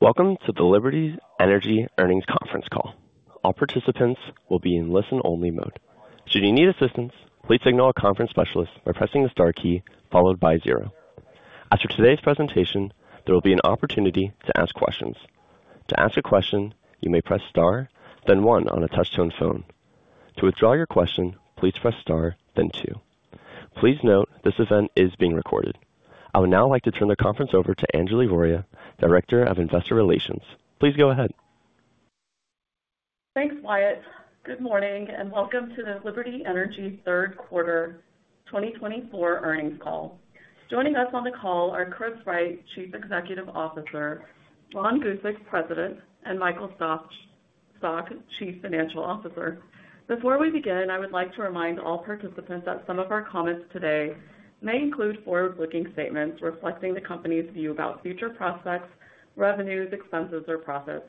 Welcome to the Liberty Energy Earnings Conference Call. All participants will be in listen-only mode. Should you need assistance, please signal a conference specialist by pressing the star key followed by zero. After today's presentation, there will be an opportunity to ask questions. To ask a question, you may press Star, then one on a touch-tone phone. To withdraw your question, please press Star, then two. Please note, this event is being recorded. I would now like to turn the conference over to Anjali Voria, Director of Investor Relations. Please go ahead. Thanks, Wyatt. Good morning, and welcome to the Liberty Energy third quarter twenty twenty-four earnings call. Joining us on the call are Chris Wright, Chief Executive Officer, Ron Gusek, President, and Michael Stock, Chief Financial Officer. Before we begin, I would like to remind all participants that some of our comments today may include forward-looking statements reflecting the company's view about future prospects, revenues, expenses, or profits.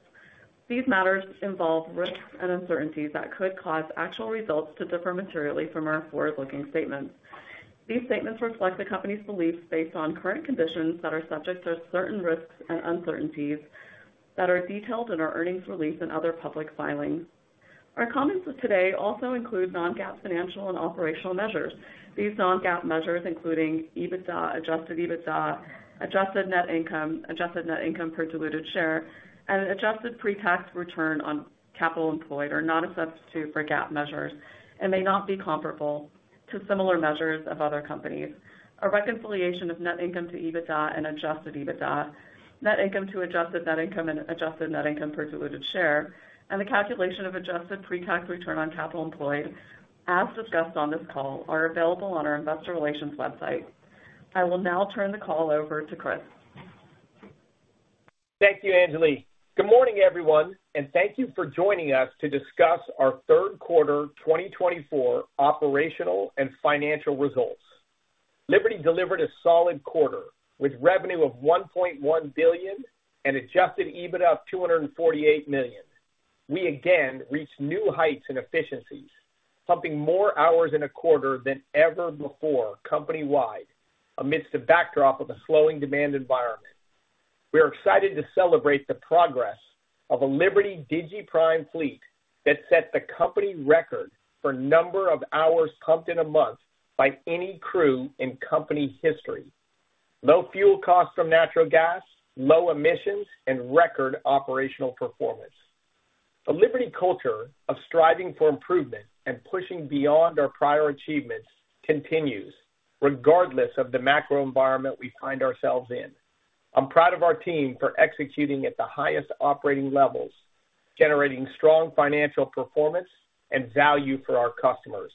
These matters involve risks and uncertainties that could cause actual results to differ materially from our forward-looking statements. These statements reflect the company's beliefs based on current conditions that are subject to certain risks and uncertainties that are detailed in our earnings release and other public filings. Our comments of today also include non-GAAP financial and operational measures. These non-GAAP measures, including EBITDA, adjusted EBITDA, adjusted net income, adjusted net income per diluted share, and adjusted pre-tax return on capital employed, are not a substitute for GAAP measures and may not be comparable to similar measures of other companies. A reconciliation of net income to EBITDA and adjusted EBITDA, net income to adjusted net income and adjusted net income per diluted share, and the calculation of adjusted pre-tax return on capital employed, as discussed on this call, are available on our investor relations website. I will now turn the call over to Chris. Thank you, Anjali. Good morning, everyone, and thank you for joining us to discuss our third quarter twenty twenty-four operational and financial results. Liberty delivered a solid quarter with revenue of $1.1 billion and adjusted EBITDA of $248 million. We again reached new heights in efficiencies, pumping more hours in a quarter than ever before company-wide amidst a backdrop of a slowing demand environment. We are excited to celebrate the progress of a Liberty DigiPrime fleet that set the company record for number of hours pumped in a month by any crew in company history. Low fuel costs from natural gas, low emissions, and record operational performance. The Liberty culture of striving for improvement and pushing beyond our prior achievements continues regardless of the macro environment we find ourselves in. I'm proud of our team for executing at the highest operating levels, generating strong financial performance and value for our customers.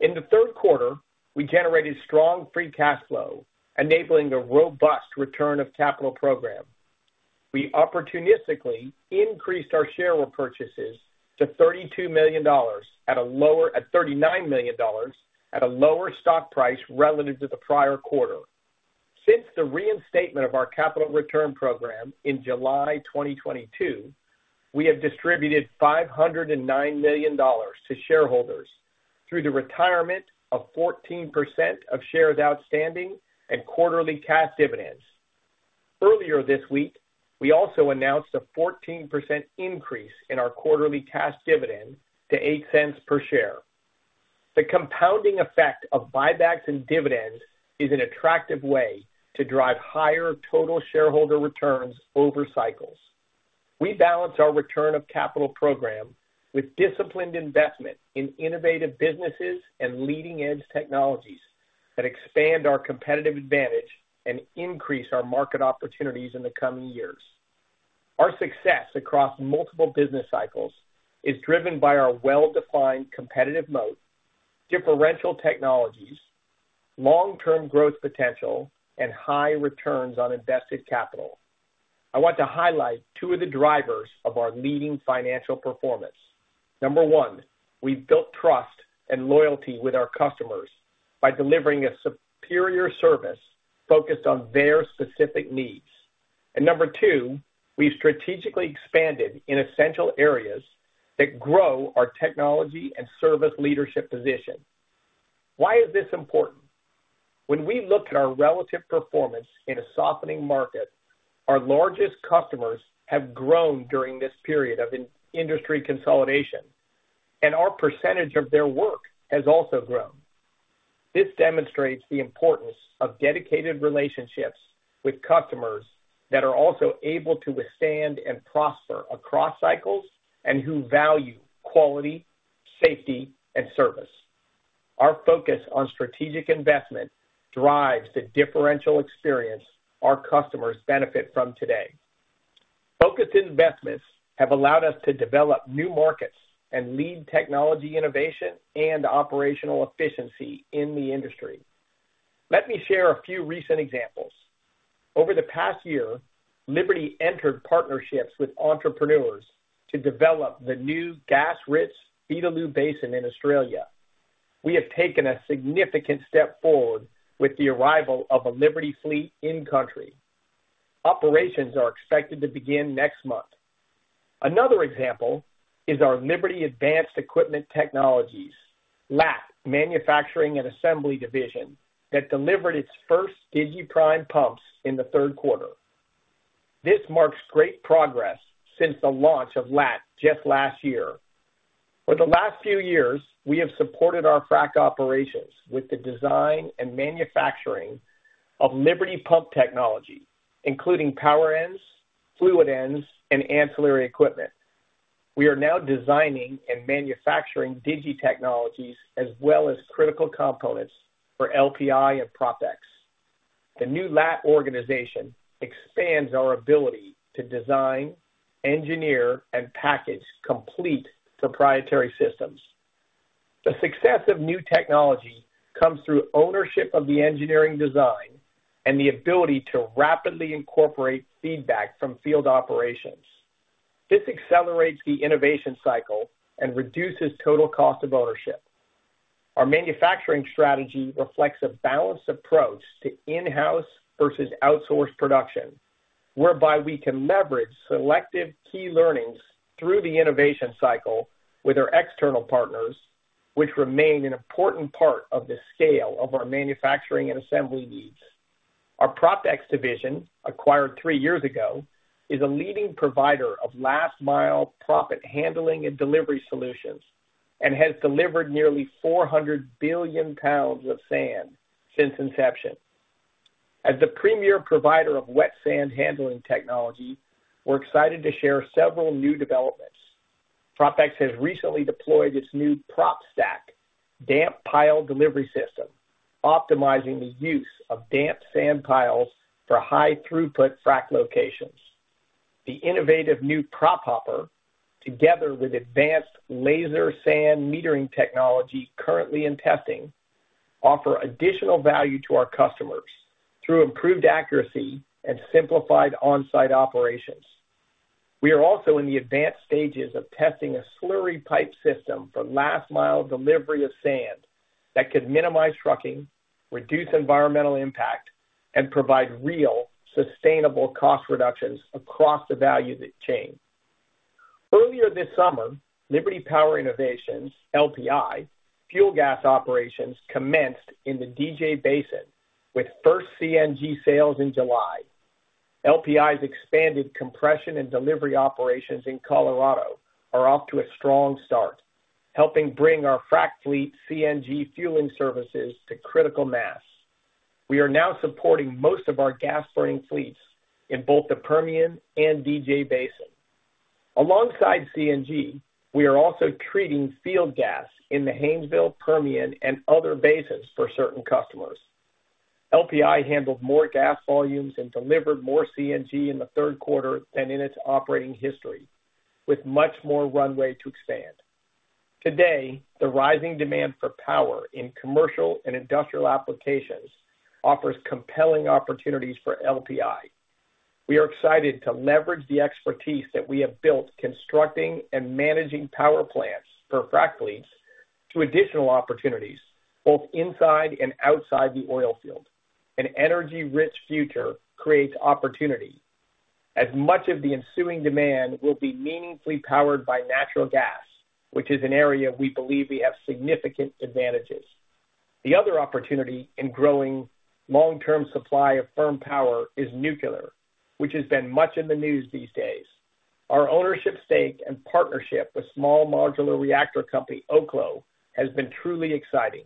In the third quarter, we generated strong free cash flow, enabling a robust return of capital program. We opportunistically increased our share repurchases to $39 million at a lower stock price relative to the prior quarter. Since the reinstatement of our capital return program in July 2022, we have distributed $509 million to shareholders through the retirement of 14% of shares outstanding and quarterly cash dividends. Earlier this week, we also announced a 14% increase in our quarterly cash dividend to $0.08 per share. The compounding effect of buybacks and dividends is an attractive way to drive higher total shareholder returns over cycles. We balance our return of capital program with disciplined investment in innovative businesses and leading-edge technologies that expand our competitive advantage and increase our market opportunities in the coming years. Our success across multiple business cycles is driven by our well-defined competitive moat, differential technologies, long-term growth potential, and high returns on invested capital. I want to highlight two of the drivers of our leading financial performance. Number one, we've built trust and loyalty with our customers by delivering a superior service focused on their specific needs. And number two, we've strategically expanded in essential areas that grow our technology and service leadership position. Why is this important? When we look at our relative performance in a softening market, our largest customers have grown during this period of industry consolidation, and our percentage of their work has also grown. This demonstrates the importance of dedicated relationships with customers that are also able to withstand and prosper across cycles and who value quality, safety, and service. Our focus on strategic investment drives the differential experience our customers benefit from today. Focused investments have allowed us to develop new markets and lead technology, innovation, and operational efficiency in the industry. Let me share a few recent examples. Over the past year, Liberty entered partnerships with entrepreneurs to develop the new gas-rich Beetaloo Basin in Australia. We have taken a significant step forward with the arrival of a Liberty fleet in country. Operations are expected to begin next month. Another example is our Liberty Advanced Equipment Technologies, LAT Manufacturing and Assembly Division, that delivered its first DigiPrime pumps in the third quarter. This marks great progress since the launch of LAT just last year. For the last few years, we have supported our frac operations with the design and manufacturing of Liberty pump technology, including power ends, fluid ends, and ancillary equipment. We are now designing and manufacturing Digi technologies as well as critical components for LPI and PropX. The new LAT organization expands our ability to design, engineer, and package complete proprietary systems. The success of new technology comes through ownership of the engineering design and the ability to rapidly incorporate feedback from field operations. This accelerates the innovation cycle and reduces total cost of ownership. Our manufacturing strategy reflects a balanced approach to in-house versus outsourced production, whereby we can leverage selective key learnings through the innovation cycle with our external partners, which remain an important part of the scale of our manufacturing and assembly needs. Our PropX division, acquired three years ago, is a leading provider of last-mile proppant handling and delivery solutions and has delivered nearly 400 billion pounds of sand since inception. As the premier provider of wet sand handling technology, we're excited to share several new developments. PropX has recently deployed its new PropStack damp pile delivery system, optimizing the use of damp sand piles for high-throughput frac locations. The innovative new Prop Hopper, together with advanced laser sand metering technology currently in testing, offer additional value to our customers through improved accuracy and simplified on-site operations. We are also in the advanced stages of testing a slurry pipe system for last-mile delivery of sand that could minimize trucking, reduce environmental impact, and provide real, sustainable cost reductions across the value chain. Earlier this summer, Liberty Power Innovations, LPI, fuel gas operations commenced in the DJ Basin, with first CNG sales in July. LPI's expanded compression and delivery operations in Colorado are off to a strong start, helping bring our frac fleet CNG fueling services to critical mass. We are now supporting most of our gas-burning fleets in both the Permian and DJ Basin. Alongside CNG, we are also treating field gas in the Haynesville, Permian, and other basins for certain customers. LPI handled more gas volumes and delivered more CNG in the third quarter than in its operating history, with much more runway to expand. Today, the rising demand for power in commercial and industrial applications offers compelling opportunities for LPI. We are excited to leverage the expertise that we have built, constructing and managing power plants for frac fleets to additional opportunities, both inside and outside the oil field. An energy-rich future creates opportunity, as much of the ensuing demand will be meaningfully powered by natural gas, which is an area we believe we have significant advantages. The other opportunity in growing long-term supply of firm power is nuclear, which has been much in the news these days. Our ownership stake and partnership with small modular reactor company, Oklo, has been truly exciting.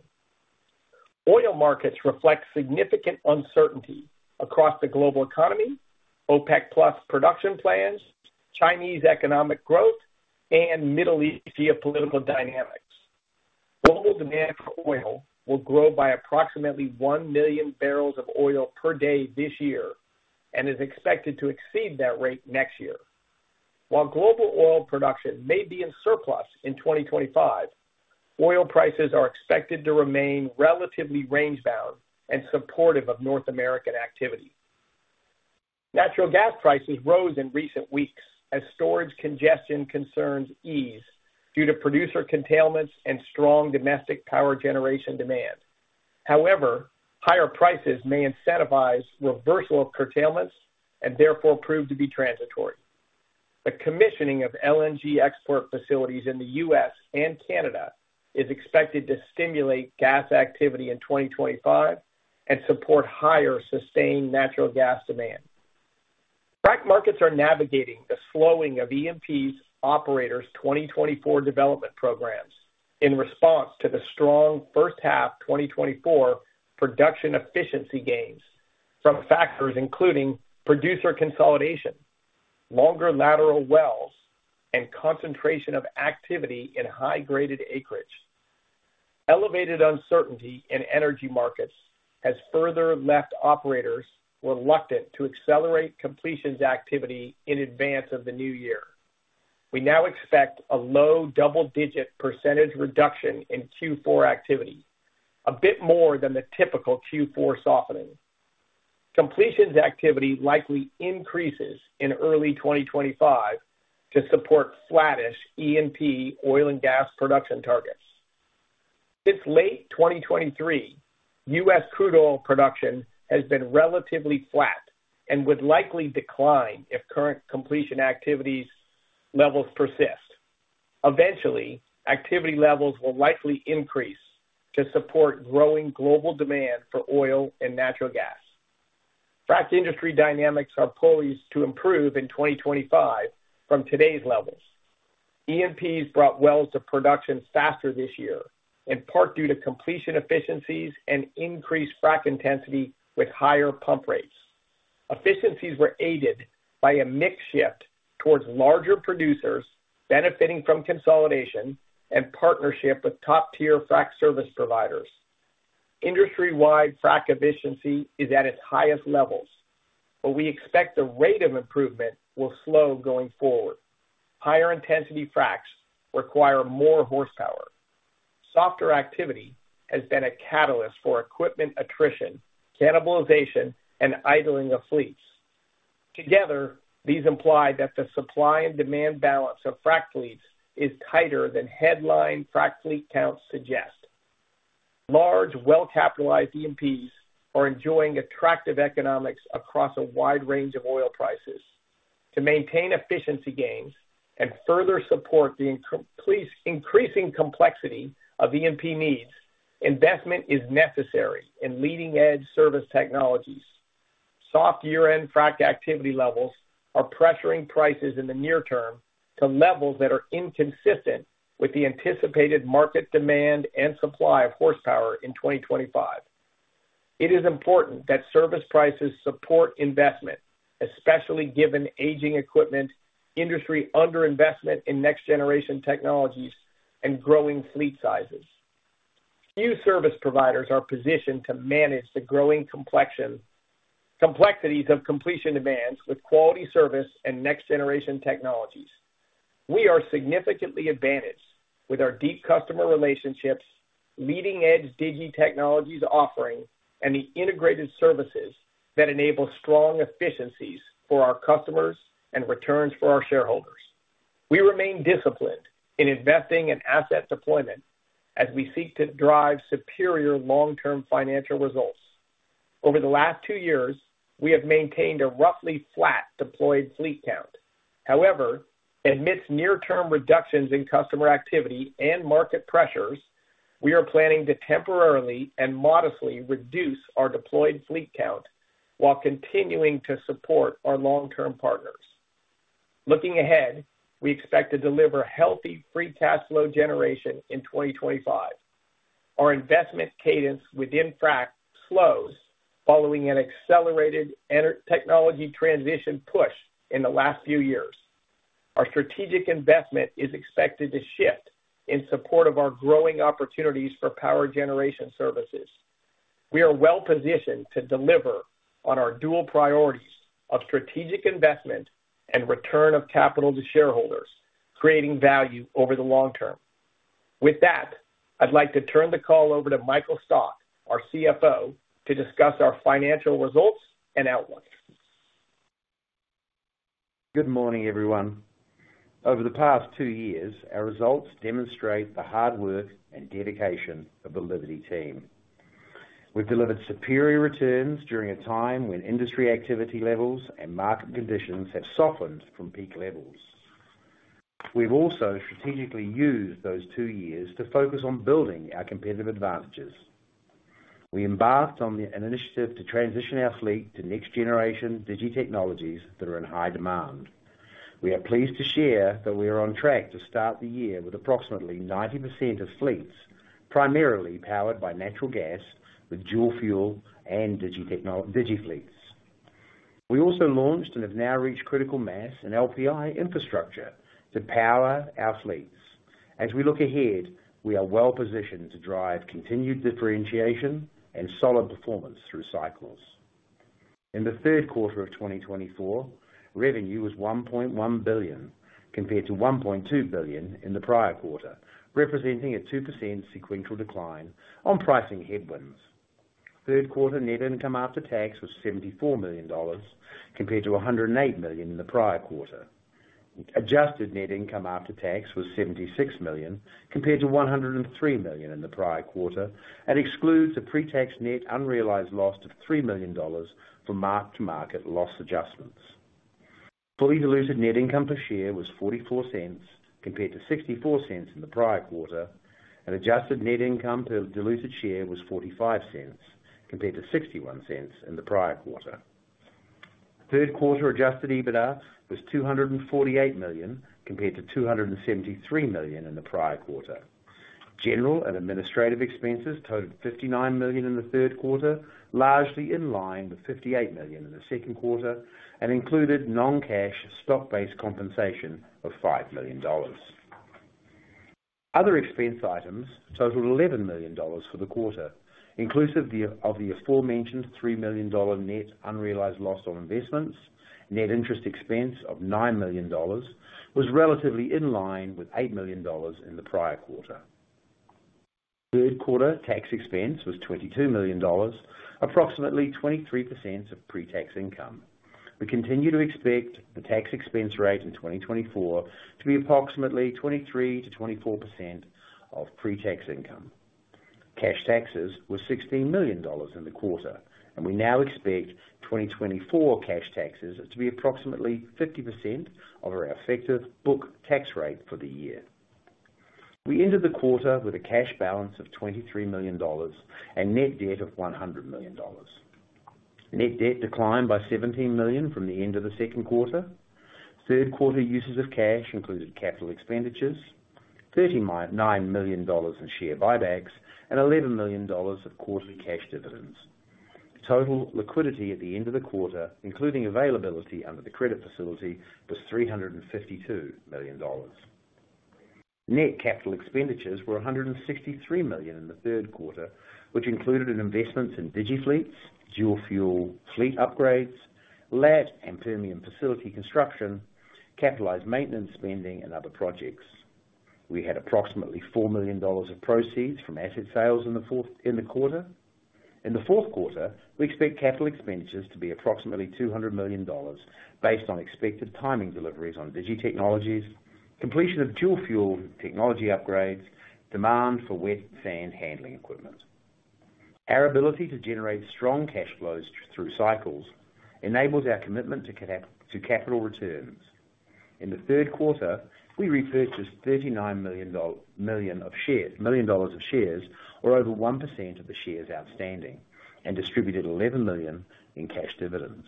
Oil markets reflect significant uncertainty across the global economy, OPEC Plus production plans, Chinese economic growth, and Middle East geopolitical dynamics. Global demand for oil will grow by approximately one million barrels of oil per day this year and is expected to exceed that rate next year. While global oil production may be in surplus in 2025, oil prices are expected to remain relatively range-bound and supportive of North American activity. Natural gas prices rose in recent weeks as storage congestion concerns ease due to producer curtailments and strong domestic power generation demand. However, higher prices may incentivize reversal of curtailments and therefore prove to be transitory. The commissioning of LNG export facilities in the U.S. and Canada is expected to stimulate gas activity in 2025 and support higher sustained natural gas demand. Frac markets are navigating the slowing of E&P's operators' 2024 development programs in response to the strong first half 2024 production efficiency gains from factors including producer consolidation, longer lateral wells, and concentration of activity in high-graded acreage. Elevated uncertainty in energy markets has further left operators reluctant to accelerate completions activity in advance of the new year. We now expect a low double-digit % reduction in Q4 activity, a bit more than the typical Q4 softening. Completions activity likely increases in early twenty twenty-five to support flattish E&P oil and gas production targets. Since late 2023, U.S. crude oil production has been relatively flat and would likely decline if current completion activities levels persist. Eventually, activity levels will likely increase to support growing global demand for oil and natural gas. Frac industry dynamics are poised to improve in twenty twenty-five from today's levels. E&Ps brought wells to production faster this year, in part due to completion efficiencies and increased frac intensity with higher pump rates. Efficiencies were aided by a mix shift towards larger producers benefiting from consolidation and partnership with top-tier frac service providers. Industry-wide frac efficiency is at its highest levels, but we expect the rate of improvement will slow going forward. Higher intensity fracs require more horsepower. Softer activity has been a catalyst for equipment attrition, cannibalization, and idling of fleets. Together, these imply that the supply and demand balance of frac fleets is tighter than headline frac fleet counts suggest. Large, well-capitalized E&Ps are enjoying attractive economics across a wide range of oil prices. To maintain efficiency gains and further support the increasing complexity of E&P needs, investment is necessary in leading-edge service technologies. Soft year-end frac activity levels are pressuring prices in the near term to levels that are inconsistent with the anticipated market demand and supply of horsepower in twenty twenty-five. It is important that service prices support investment, especially given aging equipment, industry underinvestment in next-generation technologies, and growing fleet sizes. Few service providers are positioned to manage the growing complexities of completion demands with quality service and next-generation technologies. We are significantly advantaged with our deep customer relationships, leading-edge Digi technologies offering, and the integrated services that enable strong efficiencies for our customers and returns for our shareholders. We remain disciplined in investing in asset deployment as we seek to drive superior long-term financial results. Over the last two years, we have maintained a roughly flat deployed fleet count. However, amidst near-term reductions in customer activity and market pressures, we are planning to temporarily and modestly reduce our deployed fleet count while continuing to support our long-term partners. Looking ahead, we expect to deliver healthy free cash flow generation in twenty twenty-five. Our investment cadence within frac slows following an accelerated energy technology transition push in the last few years. Our strategic investment is expected to shift in support of our growing opportunities for power generation services. We are well positioned to deliver on our dual priorities of strategic investment and return of capital to shareholders, creating value over the long term. With that, I'd like to turn the call over to Michael Stock, our CFO, to discuss our financial results and outlook. Good morning, everyone. Over the past two years, our results demonstrate the hard work and dedication of the Liberty team. We've delivered superior returns during a time when industry activity levels and market conditions have softened from peak levels. We've also strategically used those two years to focus on building our competitive advantages. We embarked on an initiative to transition our fleet to next-generation Digi technologies that are in high demand. We are pleased to share that we are on track to start the year with approximately 90% of fleets, primarily powered by natural gas, with dual fuel and Digi fleets. We also launched and have now reached critical mass in LPI infrastructure to power our fleets. As we look ahead, we are well positioned to drive continued differentiation and solid performance through cycles. In the third quarter of 2024, revenue was $1.1 billion, compared to $1.2 billion in the prior quarter, representing a 2% sequential decline on pricing headwinds. Third quarter net income after tax was $74 million, compared to $108 million in the prior quarter. Adjusted net income after tax was $76 million, compared to $103 million in the prior quarter, and excludes a pre-tax net unrealized loss of $3 million for mark-to-market loss adjustments. Fully diluted net income per share was $0.44, compared to $0.64 in the prior quarter, and adjusted net income per diluted share was $0.45, compared to $0.61 in the prior quarter. Third quarter adjusted EBITDA was $248 million, compared to $273 million in the prior quarter. General and administrative expenses totaled $59 million in the third quarter, largely in line with $58 million in the second quarter, and included non-cash stock-based compensation of $5 million. Other expense items totaled $11 million for the quarter, inclusive of the aforementioned $3 million net unrealized loss on investments. Net interest expense of $9 million was relatively in line with $8 million in the prior quarter. Third quarter tax expense was $22 million, approximately 23% of pre-tax income... We continue to expect the tax expense rate in 2024 to be approximately 23%-24% of pre-tax income. Cash taxes were $16 million in the quarter, and we now expect 2024 cash taxes to be approximately 50% of our effective book tax rate for the year. We ended the quarter with a cash balance of $23 million and net debt of $100 million. Net debt declined by $17 million from the end of the second quarter. Third quarter uses of cash included capital expenditures, $39 million in share buybacks, and $11 million of quarterly cash dividends. Total liquidity at the end of the quarter, including availability under the credit facility, was $352 million. Net capital expenditures were $163 million in the third quarter, which included investments in DigiFleet, dual-fuel fleet upgrades, LAT and Permian facility construction, capitalized maintenance spending, and other projects. We had approximately $4 million of proceeds from asset sales in the quarter. In the fourth quarter, we expect capital expenditures to be approximately $200 million, based on expected timing deliveries on Digi technologies, completion of dual-fuel technology upgrades, demand for wet sand handling equipment. Our ability to generate strong cash flows through cycles enables our commitment to capital returns. In the third quarter, we repurchased $39 million of shares, or over 1% of the shares outstanding, and distributed $11 million in cash dividends.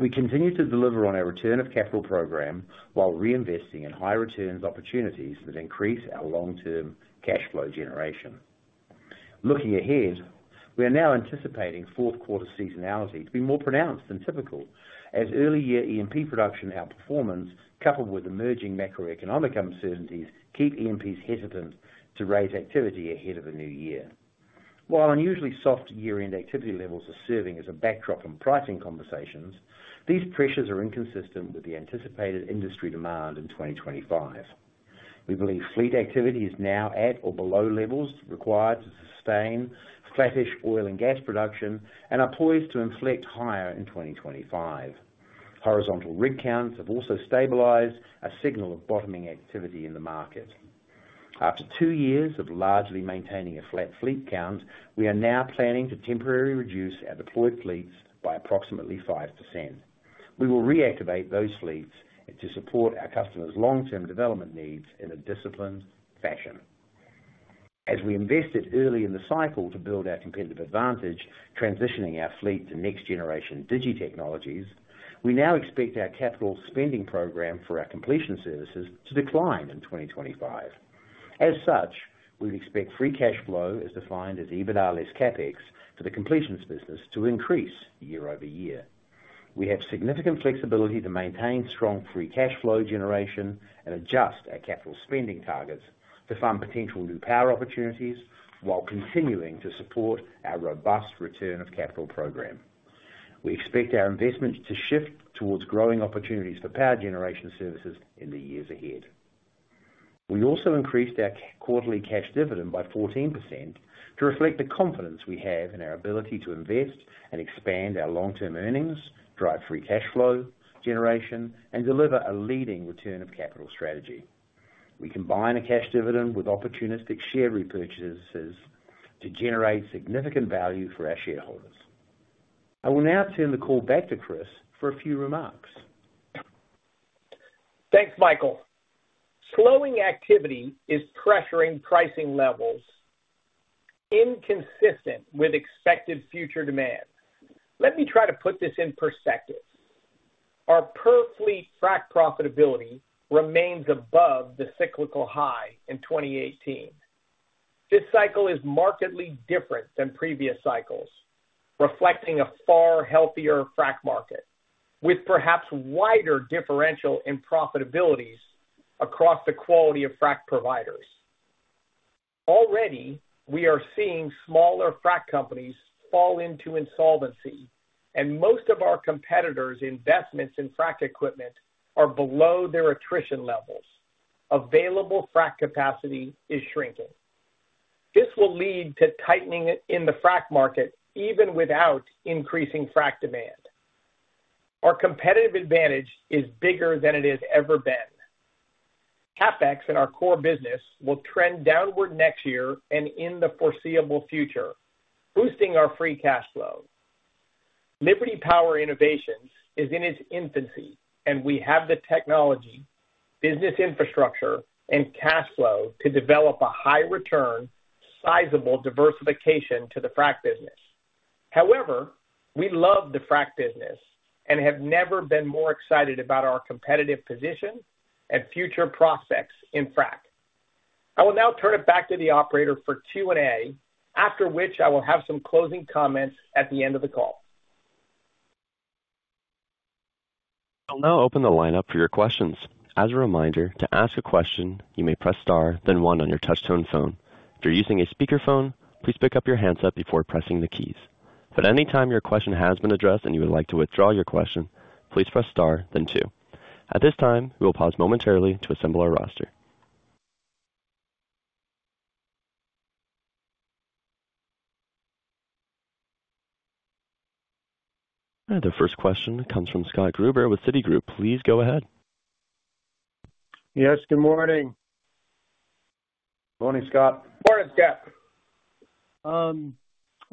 We continue to deliver on our return of capital program while reinvesting in high return opportunities that increase our long-term cash flow generation. Looking ahead, we are now anticipating fourth quarter seasonality to be more pronounced than typical, as early year E&P production, outperformance, coupled with emerging macroeconomic uncertainties, keep E&Ps hesitant to raise activity ahead of the new year. While unusually soft year-end activity levels are serving as a backdrop in pricing conversations, these pressures are inconsistent with the anticipated industry demand in twenty twenty-five. We believe fleet activity is now at or below levels required to sustain flattish oil and gas production and are poised to inflect higher in twenty twenty-five. Horizontal rig counts have also stabilized, a signal of bottoming activity in the market. After two years of largely maintaining a flat fleet count, we are now planning to temporarily reduce our deployed fleets by approximately 5%. We will reactivate those fleets to support our customers' long-term development needs in a disciplined fashion. As we invested early in the cycle to build our competitive advantage, transitioning our fleet to next generation Digi technologies, we now expect our capital spending program for our completion services to decline in twenty twenty-five. As such, we expect free cash flow, as defined as EBITDA less CapEx, to the completions business to increase year over year. We have significant flexibility to maintain strong free cash flow generation and adjust our capital spending targets to fund potential new power opportunities while continuing to support our robust return of capital program. We expect our investments to shift towards growing opportunities for power generation services in the years ahead. We also increased our quarterly cash dividend by 14% to reflect the confidence we have in our ability to invest and expand our long-term earnings, drive free cash flow generation, and deliver a leading return of capital strategy. We combine a cash dividend with opportunistic share repurchases to generate significant value for our shareholders. I will now turn the call back to Chris for a few remarks. Thanks, Michael. Slowing activity is pressuring pricing levels inconsistent with expected future demand. Let me try to put this in perspective. Our per fleet frac profitability remains above the cyclical high in 2018. This cycle is markedly different than previous cycles, reflecting a far healthier frac market, with perhaps wider differential in profitabilities across the quality of frac providers. Already, we are seeing smaller frac companies fall into insolvency, and most of our competitors' investments in frac equipment are below their attrition levels. Available frac capacity is shrinking. This will lead to tightening in the frac market, even without increasing frac demand. Our competitive advantage is bigger than it has ever been. CapEx in our core business will trend downward next year and in the foreseeable future, boosting our free cash flow. Liberty Power Innovations is in its infancy, and we have the technology, business infrastructure, and cash flow to develop a high return, sizable diversification to the frac business. However, we love the frac business and have never been more excited about our competitive position and future prospects in frac. I will now turn it back to the operator for Q&A, after which I will have some closing comments at the end of the call. I'll now open the line up for your questions. As a reminder, to ask a question, you may press star then one on your touchtone phone. If you're using a speakerphone, please pick up your handset before pressing the keys. But anytime your question has been addressed and you would like to withdraw your question, please press star then two. At this time, we will pause momentarily to assemble our roster. And the first question comes from Scott Gruber with Citigroup. Please go ahead. Yes, good morning. Morning, Scott. Morning, Scott.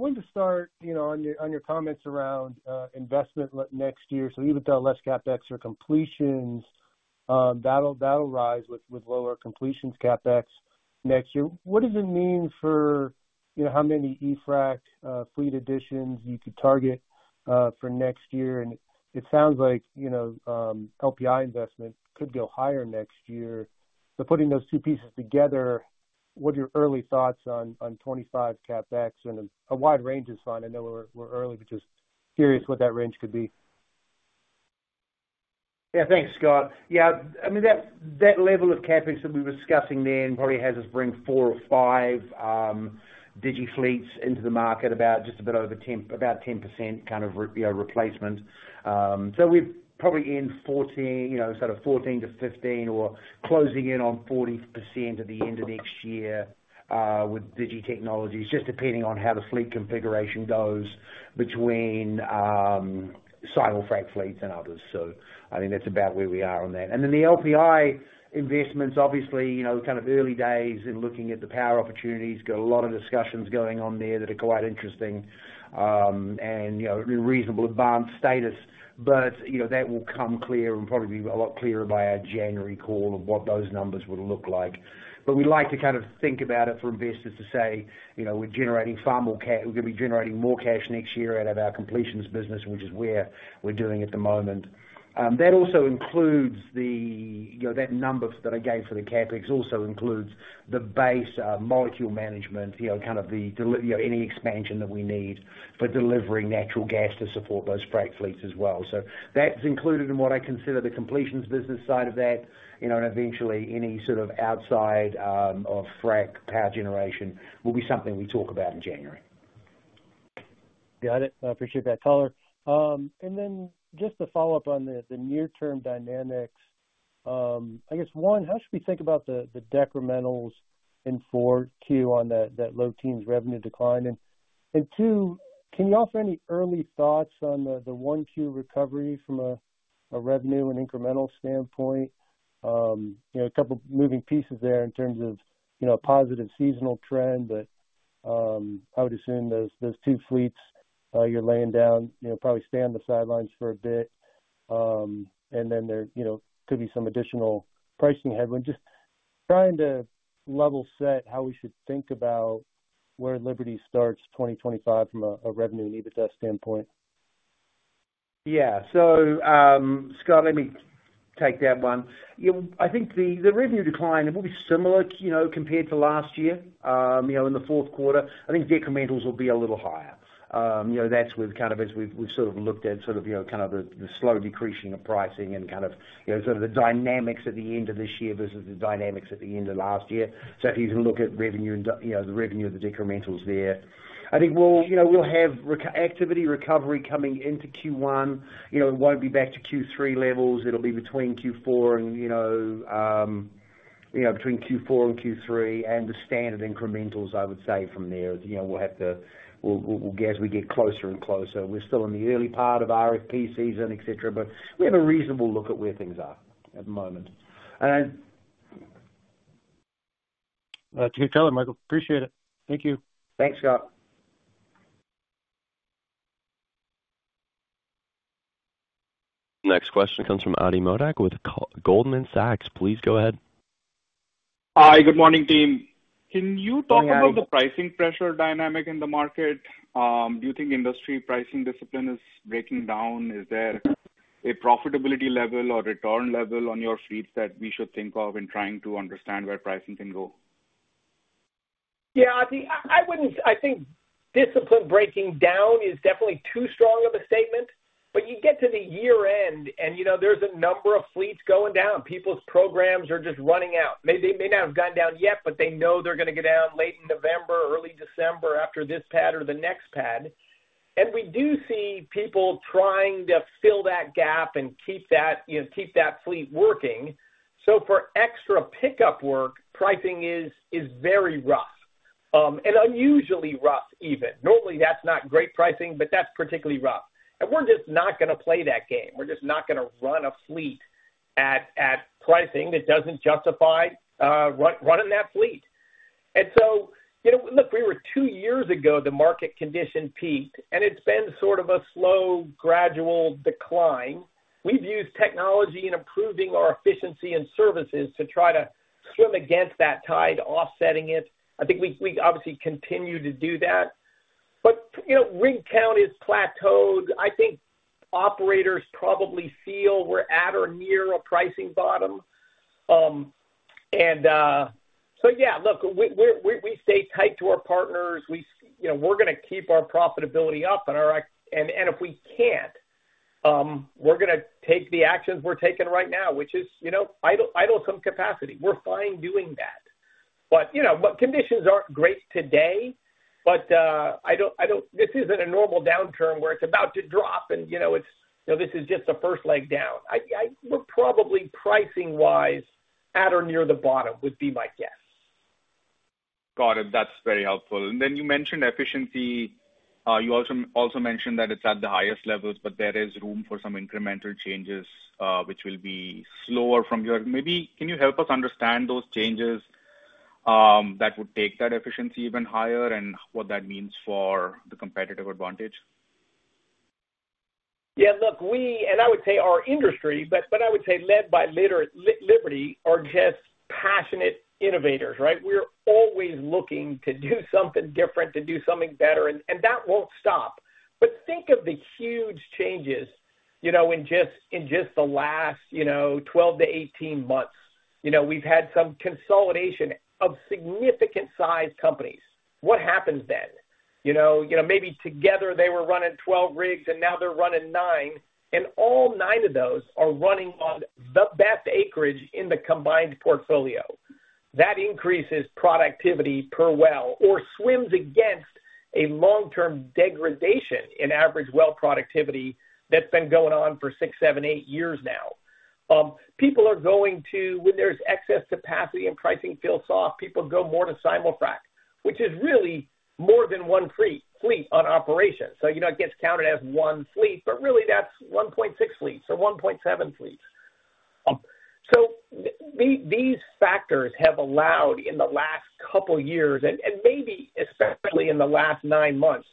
Wanted to start, you know, on your comments around investment next year. So you even got less CapEx or completions, that'll rise with lower completions CapEx next year. What does it mean for, you know, how many E-frac fleet additions you could target for next year? And it sounds like, you know, LPI investment could go higher next year. So putting those two pieces together, what are your early thoughts on 2025 CapEx? And a wide range is fine. I know we're early, but just curious what that range could be. Yeah. Thanks, Scott. Yeah, I mean, that level of CapEx that we were discussing then probably has us bring four or five Digi fleets into the market, about just a bit over 10% kind of replacement. So we've probably in 14, you know, sort of 14 to 15 or closing in on 40% at the end of next year, with Digi technologies, just depending on how the fleet configuration goes between simul-frac fleets and others. So I think that's about where we are on that. And then the LPI investments, obviously, you know, kind of early days in looking at the power opportunities. Got a lot of discussions going on there that are quite interesting, and, you know, in reasonably advanced status. But, you know, that will come clear and probably be a lot clearer by our January call of what those numbers would look like. But we like to kind of think about it for investors to say, you know, we're generating far more we're gonna be generating more cash next year out of our completions business, which is where we're doing at the moment. That also includes the. You know, that number that I gave for the CapEx also includes the base, molecule management, you know, kind of the you know, any expansion that we need for delivering natural gas to support those frac fleets as well. So that's included in what I consider the completions business side of that, you know, and eventually any sort of outside of frac power generation will be something we talk about in January. Got it. I appreciate that color. And then just to follow up on the near-term dynamics, I guess, one, how should we think about the decrementals in Q4 on that low teens revenue decline? And two, can you offer any early thoughts on the one Q recovery from a revenue and incremental standpoint? You know, a couple moving pieces there in terms of, you know, positive seasonal trend, but I would assume those two fleets you're laying down, you know, probably stay on the sidelines for a bit. And then, you know, could be some additional pricing headwinds. Just trying to level set how we should think about where Liberty starts twenty twenty-five from a revenue and EBITDA standpoint. Yeah. So, Scott, let me take that one. You know, I think the revenue decline, it will be similar, you know, compared to last year. You know, in the fourth quarter, I think decrementals will be a little higher. You know, that's with kind of as we've sort of looked at, you know, kind of the slow decreasing of pricing and kind of, you know, sort of the dynamics at the end of this year versus the dynamics at the end of last year. So if you even look at revenue and, you know, the revenue of the decrementals there. I think we'll, you know, we'll have activity recovery coming into Q1. You know, it won't be back to Q3 levels. It'll be between Q4 and, you know, you know, between Q4 and Q3, and the standard incrementals, I would say from there. You know, we'll get as we get closer and closer. We're still in the early part of RFP season, et cetera, but we have a reasonable look at where things are at the moment. And That's a good color, Michael. Appreciate it. Thank you. Thanks, Scott. Next question comes from Ati Modak with Goldman Sachs. Please go ahead. Hi, good morning, team. Hi. Can you talk about the pricing pressure dynamic in the market? Do you think industry pricing discipline is breaking down? Is there a profitability level or return level on your fleets that we should think of in trying to understand where pricing can go? Yeah, Ati, I wouldn't. I think discipline breaking down is definitely too strong of a statement, but you get to the year-end, and, you know, there's a number of fleets going down. People's programs are just running out. They may not have gone down yet, but they know they're gonna go down late November or early December after this pad or the next pad. And we do see people trying to fill that gap and keep that, you know, keep that fleet working. So for extra pickup work, pricing is very rough, and unusually rough even. Normally, that's not great pricing, but that's particularly rough. And we're just not gonna play that game. We're just not gonna run a fleet at pricing that doesn't justify running that fleet. And so, you know, look, we were two years ago, the market condition peaked, and it's been sort of a slow, gradual decline. We've used technology in improving our efficiency and services to try to swim against that tide, offsetting it. I think we obviously continue to do that. But, you know, rig count is plateaued. I think operators probably feel we're at or near a pricing bottom. So yeah, look, we stay tight to our partners. We, you know, we're gonna keep our profitability up and our activity and if we can't, we're gonna take the actions we're taking right now, which is, you know, idle some capacity. We're fine doing that. But, you know, but conditions aren't great today, but, I don't-- this isn't a normal downturn where it's about to drop and, you know, it's, you know, this is just the first leg down. We're probably pricing-wise-at or near the bottom would be my guess. Got it. That's very helpful. And then you mentioned efficiency. You also mentioned that it's at the highest levels, but there is room for some incremental changes, which will be slower. Maybe can you help us understand those changes that would take that efficiency even higher, and what that means for the competitive advantage? Yeah, look, and I would say our industry, but I would say led by Liberty, are just passionate innovators, right? We're always looking to do something different, to do something better, and that won't stop. But think of the huge changes, you know, in just the last, you know, twelve to eighteen months. You know, we've had some consolidation of significant size companies. What happens then? You know, maybe together they were running twelve rigs, and now they're running nine, and all nine of those are running on the best acreage in the combined portfolio. That increases productivity per well or swims against a long-term degradation in average well productivity that's been going on for six, seven, eight years now. People are going to. When there's excess capacity and pricing feels off, people go more to Simulfrac, which is really more than one fleet operation. So, you know, it gets counted as one fleet, but really that's one point six fleets or one point seven fleets. So these factors have allowed, in the last couple years, and maybe especially in the last nine months,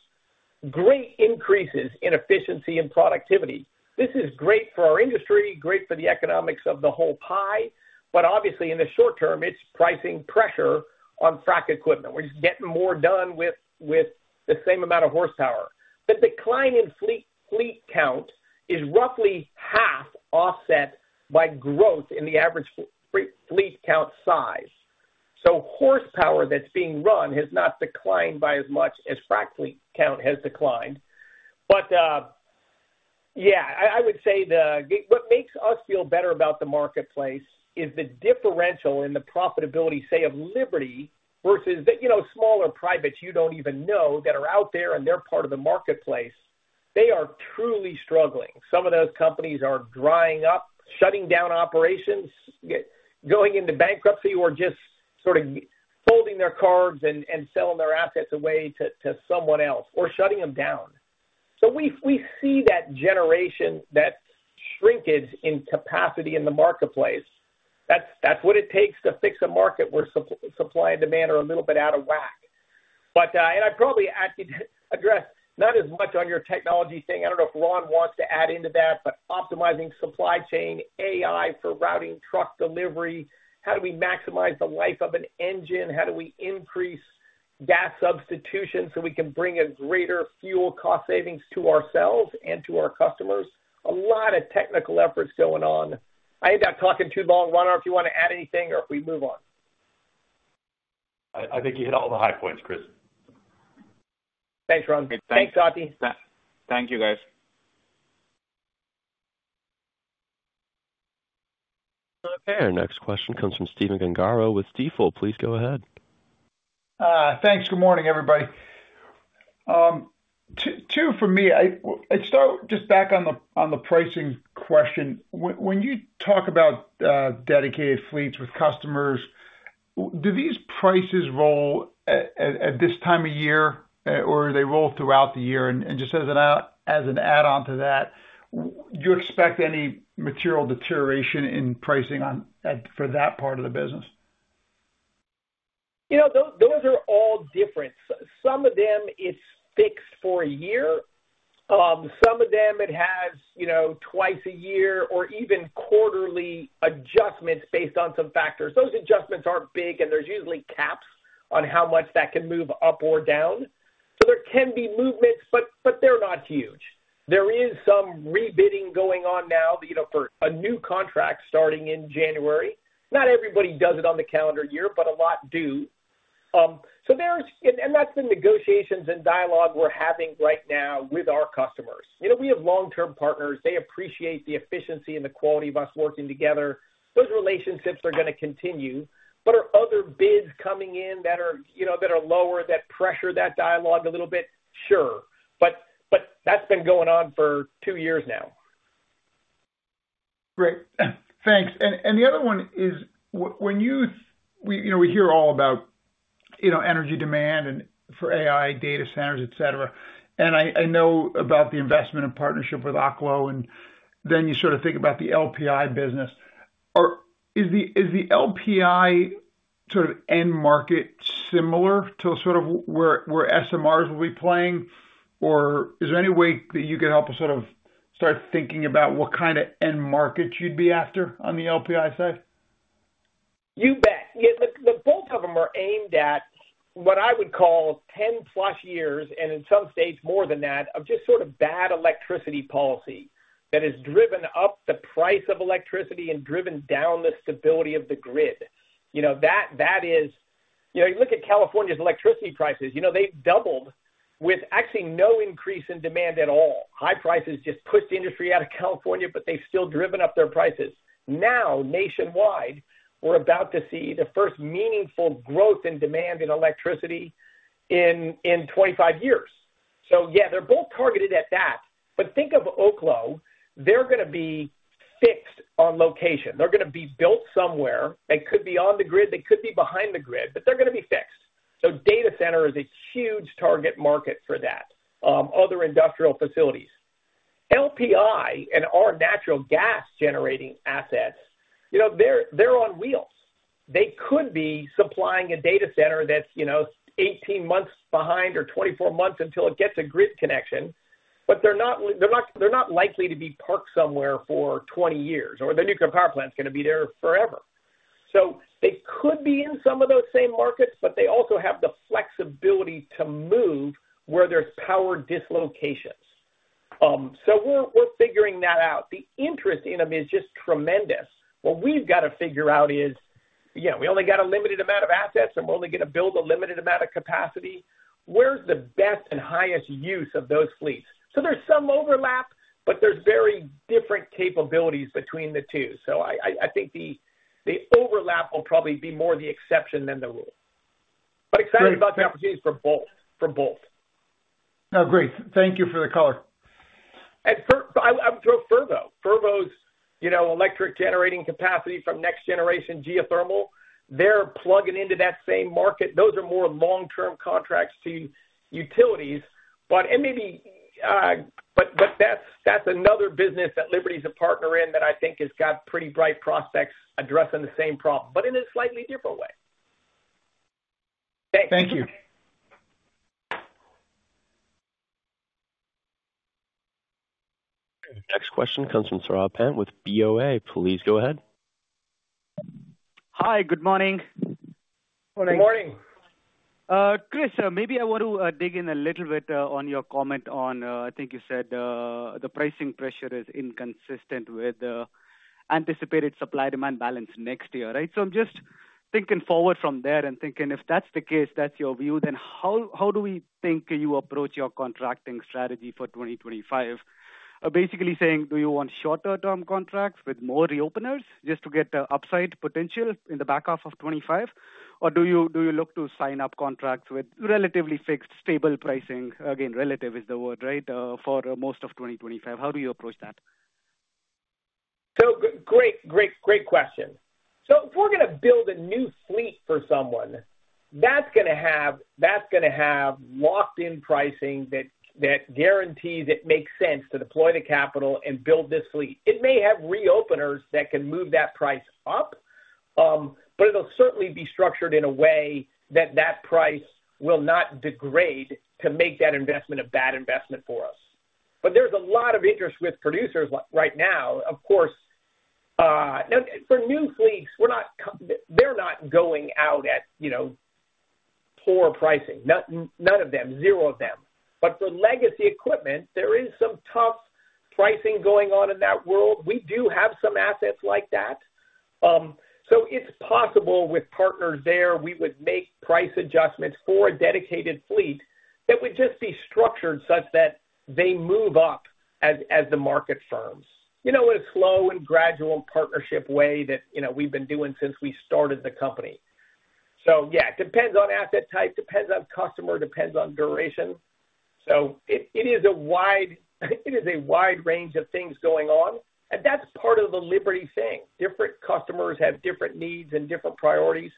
great increases in efficiency and productivity. This is g reat for our industry, great for the economics of the whole pie, but obviously, in the short term, it's pricing pressure on frac equipment. We're just getting more done with the same amount of horsepower. The decline in fleet count is roughly half offset by growth in the average fleet count size. So horsepower that's being run has not declined by as much as frac fleet count has declined. But yeah, I would say what makes us feel better about the marketplace is the differential in the profitability, say, of Liberty versus the, you know, smaller privates you don't even know that are out there, and they're part of the marketplace. They are truly struggling. Some of those companies are drying up, shutting down operations, going into bankruptcy or just sort of holding their cards and selling their assets away to someone else or shutting them down. So we see that generation, that shrinkage in capacity in the marketplace. That's what it takes to fix a market where supply and demand are a little bit out of whack. But and I probably actually addressed not as much on your technology thing. I don't know if Ron wants to add into that, but optimizing supply chain, AI for routing truck delivery, how do we maximize the life of an engine? How do we increase gas substitution, so we can bring a greater fuel cost savings to ourselves and to our customers? A lot of technical efforts going on. I ended up talking too long. Ron, I don't know if you wanna add anything or if we move on. I think you hit all the high points, Chris. Thanks, Ron. Thanks, Ati. Thank you, guys. Okay, our next question comes from Stephen Gengaro with Stifel. Please go ahead. Thanks. Good morning, everybody. Two for me. I'd start just back on the pricing question. When you talk about dedicated fleets with customers, do these prices roll at this time of year, or they roll throughout the year? And just as an add on to that, do you expect any material deterioration in pricing on for that part of the business? You know, those are all different. Some of them, it's fixed for a year. Some of them it has, you know, twice a year or even quarterly adjustments based on some factors. Those adjustments aren't big, and there's usually caps on how much that can move up or down. So there can be movements, but they're not huge. There is some rebidding going on now, you know, for a new contract starting in January. Not everybody does it on the calendar year, but a lot do. So there's... and that's the negotiations and dialogue we're having right now with our customers. You know, we have long-term partners. They appreciate the efficiency and the quality of us working together. Those relationships are gonna continue. But are other bids coming in that are, you know, that are lower, that pressure that dialogue a little bit? Sure. But that's been going on for two years now. Great. Thanks. And the other one is: when you. We, you know, we hear all about, you know, energy demand and for AI data centers, et cetera, and I know about the investment and partnership with Oklo, and then you sort of think about the LPI business. Or is the LPI sort of end market similar to sort of where SMRs will be playing? Or is there any way that you could help us sort of start thinking about what kind of end market you'd be after on the LPI side? You bet. Yeah, the both of them are aimed at what I would call ten plus years, and in some states, more than that, of just sort of bad electricity policy that has driven up the price of electricity and driven down the stability of the grid. You know, that is. You know, you look at California's electricity prices. You know, they've doubled with actually no increase in demand at all. High prices just pushed the industry out of California, but they've still driven up their prices. Now, nationwide, we're about to see the first meaningful growth in demand in electricity in twenty-five years. So yeah, they're both targeted at that. But think of Oklo, they're gonna be fixed on location. They're gonna be built somewhere. They could be on the grid, they could be behind the grid, but they're gonna be fixed. So data center is a huge target market for that, other industrial facilities. LPI and our natural gas-generating assets, you know, they're, they're on wheels. They could be supplying a data center that's, you know, 18 months behind or 24 months until it gets a grid connection, but they're not, they're not likely to be parked somewhere for 20 years, or the nuclear power plant is gonna be there forever. So they could be in some of those same markets, but they also have the flexibility to move where there's power dislocations. So we're, we're figuring that out. The interest in them is just tremendous. What we've got to figure out is, yeah, we only got a limited amount of assets, and we're only gonna build a limited amount of capacity. Where's the best and highest use of those fleets? There's some overlap, but there's very different capabilities between the two. I think the overlap will probably be more the exception than the rule. Excited about the opportunities for both. For both. No, great. Thank you for the color. I would throw Fervo. Fervo's, you know, electric generating capacity from next generation geothermal, they're plugging into that same market. Those are more long-term contracts to utilities, but and maybe. But that's another business that Liberty is a partner in, that I think has got pretty bright prospects addressing the same problem, but in a slightly different way. Thanks. Thank you. Next question comes from Saurabh Pant with BOA. Please go ahead. Hi, good morning. Good morning. Good morning. Chris, maybe I want to dig in a little bit on your comment on, I think you said, the pricing pressure is inconsistent with the anticipated supply-demand balance next year, right? So I'm just thinking forward from there and thinking, if that's the case, that's your view, then how do we think you approach your contracting strategy for twenty twenty-five? Basically saying, do you want shorter term contracts with more reopeners just to get the upside potential in the back half of twenty twenty-five? Or do you look to sign up contracts with relatively fixed, stable pricing? Again, relative is the word, right, for most of twenty twenty-five. How do you approach that? Great, great, great question. So if we're gonna build a new fleet for someone, that's gonna have locked-in pricing that guarantees it makes sense to deploy the capital and build this fleet. It may have reopeners that can move that price up, but it'll certainly be structured in a way that that price will not degrade to make that investment a bad investment for us. But there's a lot of interest with producers right now. Of course, now for new fleets, they're not going out at, you know, poor pricing. None of them, zero of them. But for legacy equipment, there is some tough pricing going on in that world. We do have some assets like that. So it's possible with partners there, we would make price adjustments for a dedicated fleet that would just be structured such that they move up as the market firms. You know, in a slow and gradual partnership way that, you know, we've been doing since we started the company. So yeah, it depends on asset type, depends on customer, depends on duration. So it is a wide range of things going on, and that's part of the Liberty thing. Different customers have different needs and different priorities,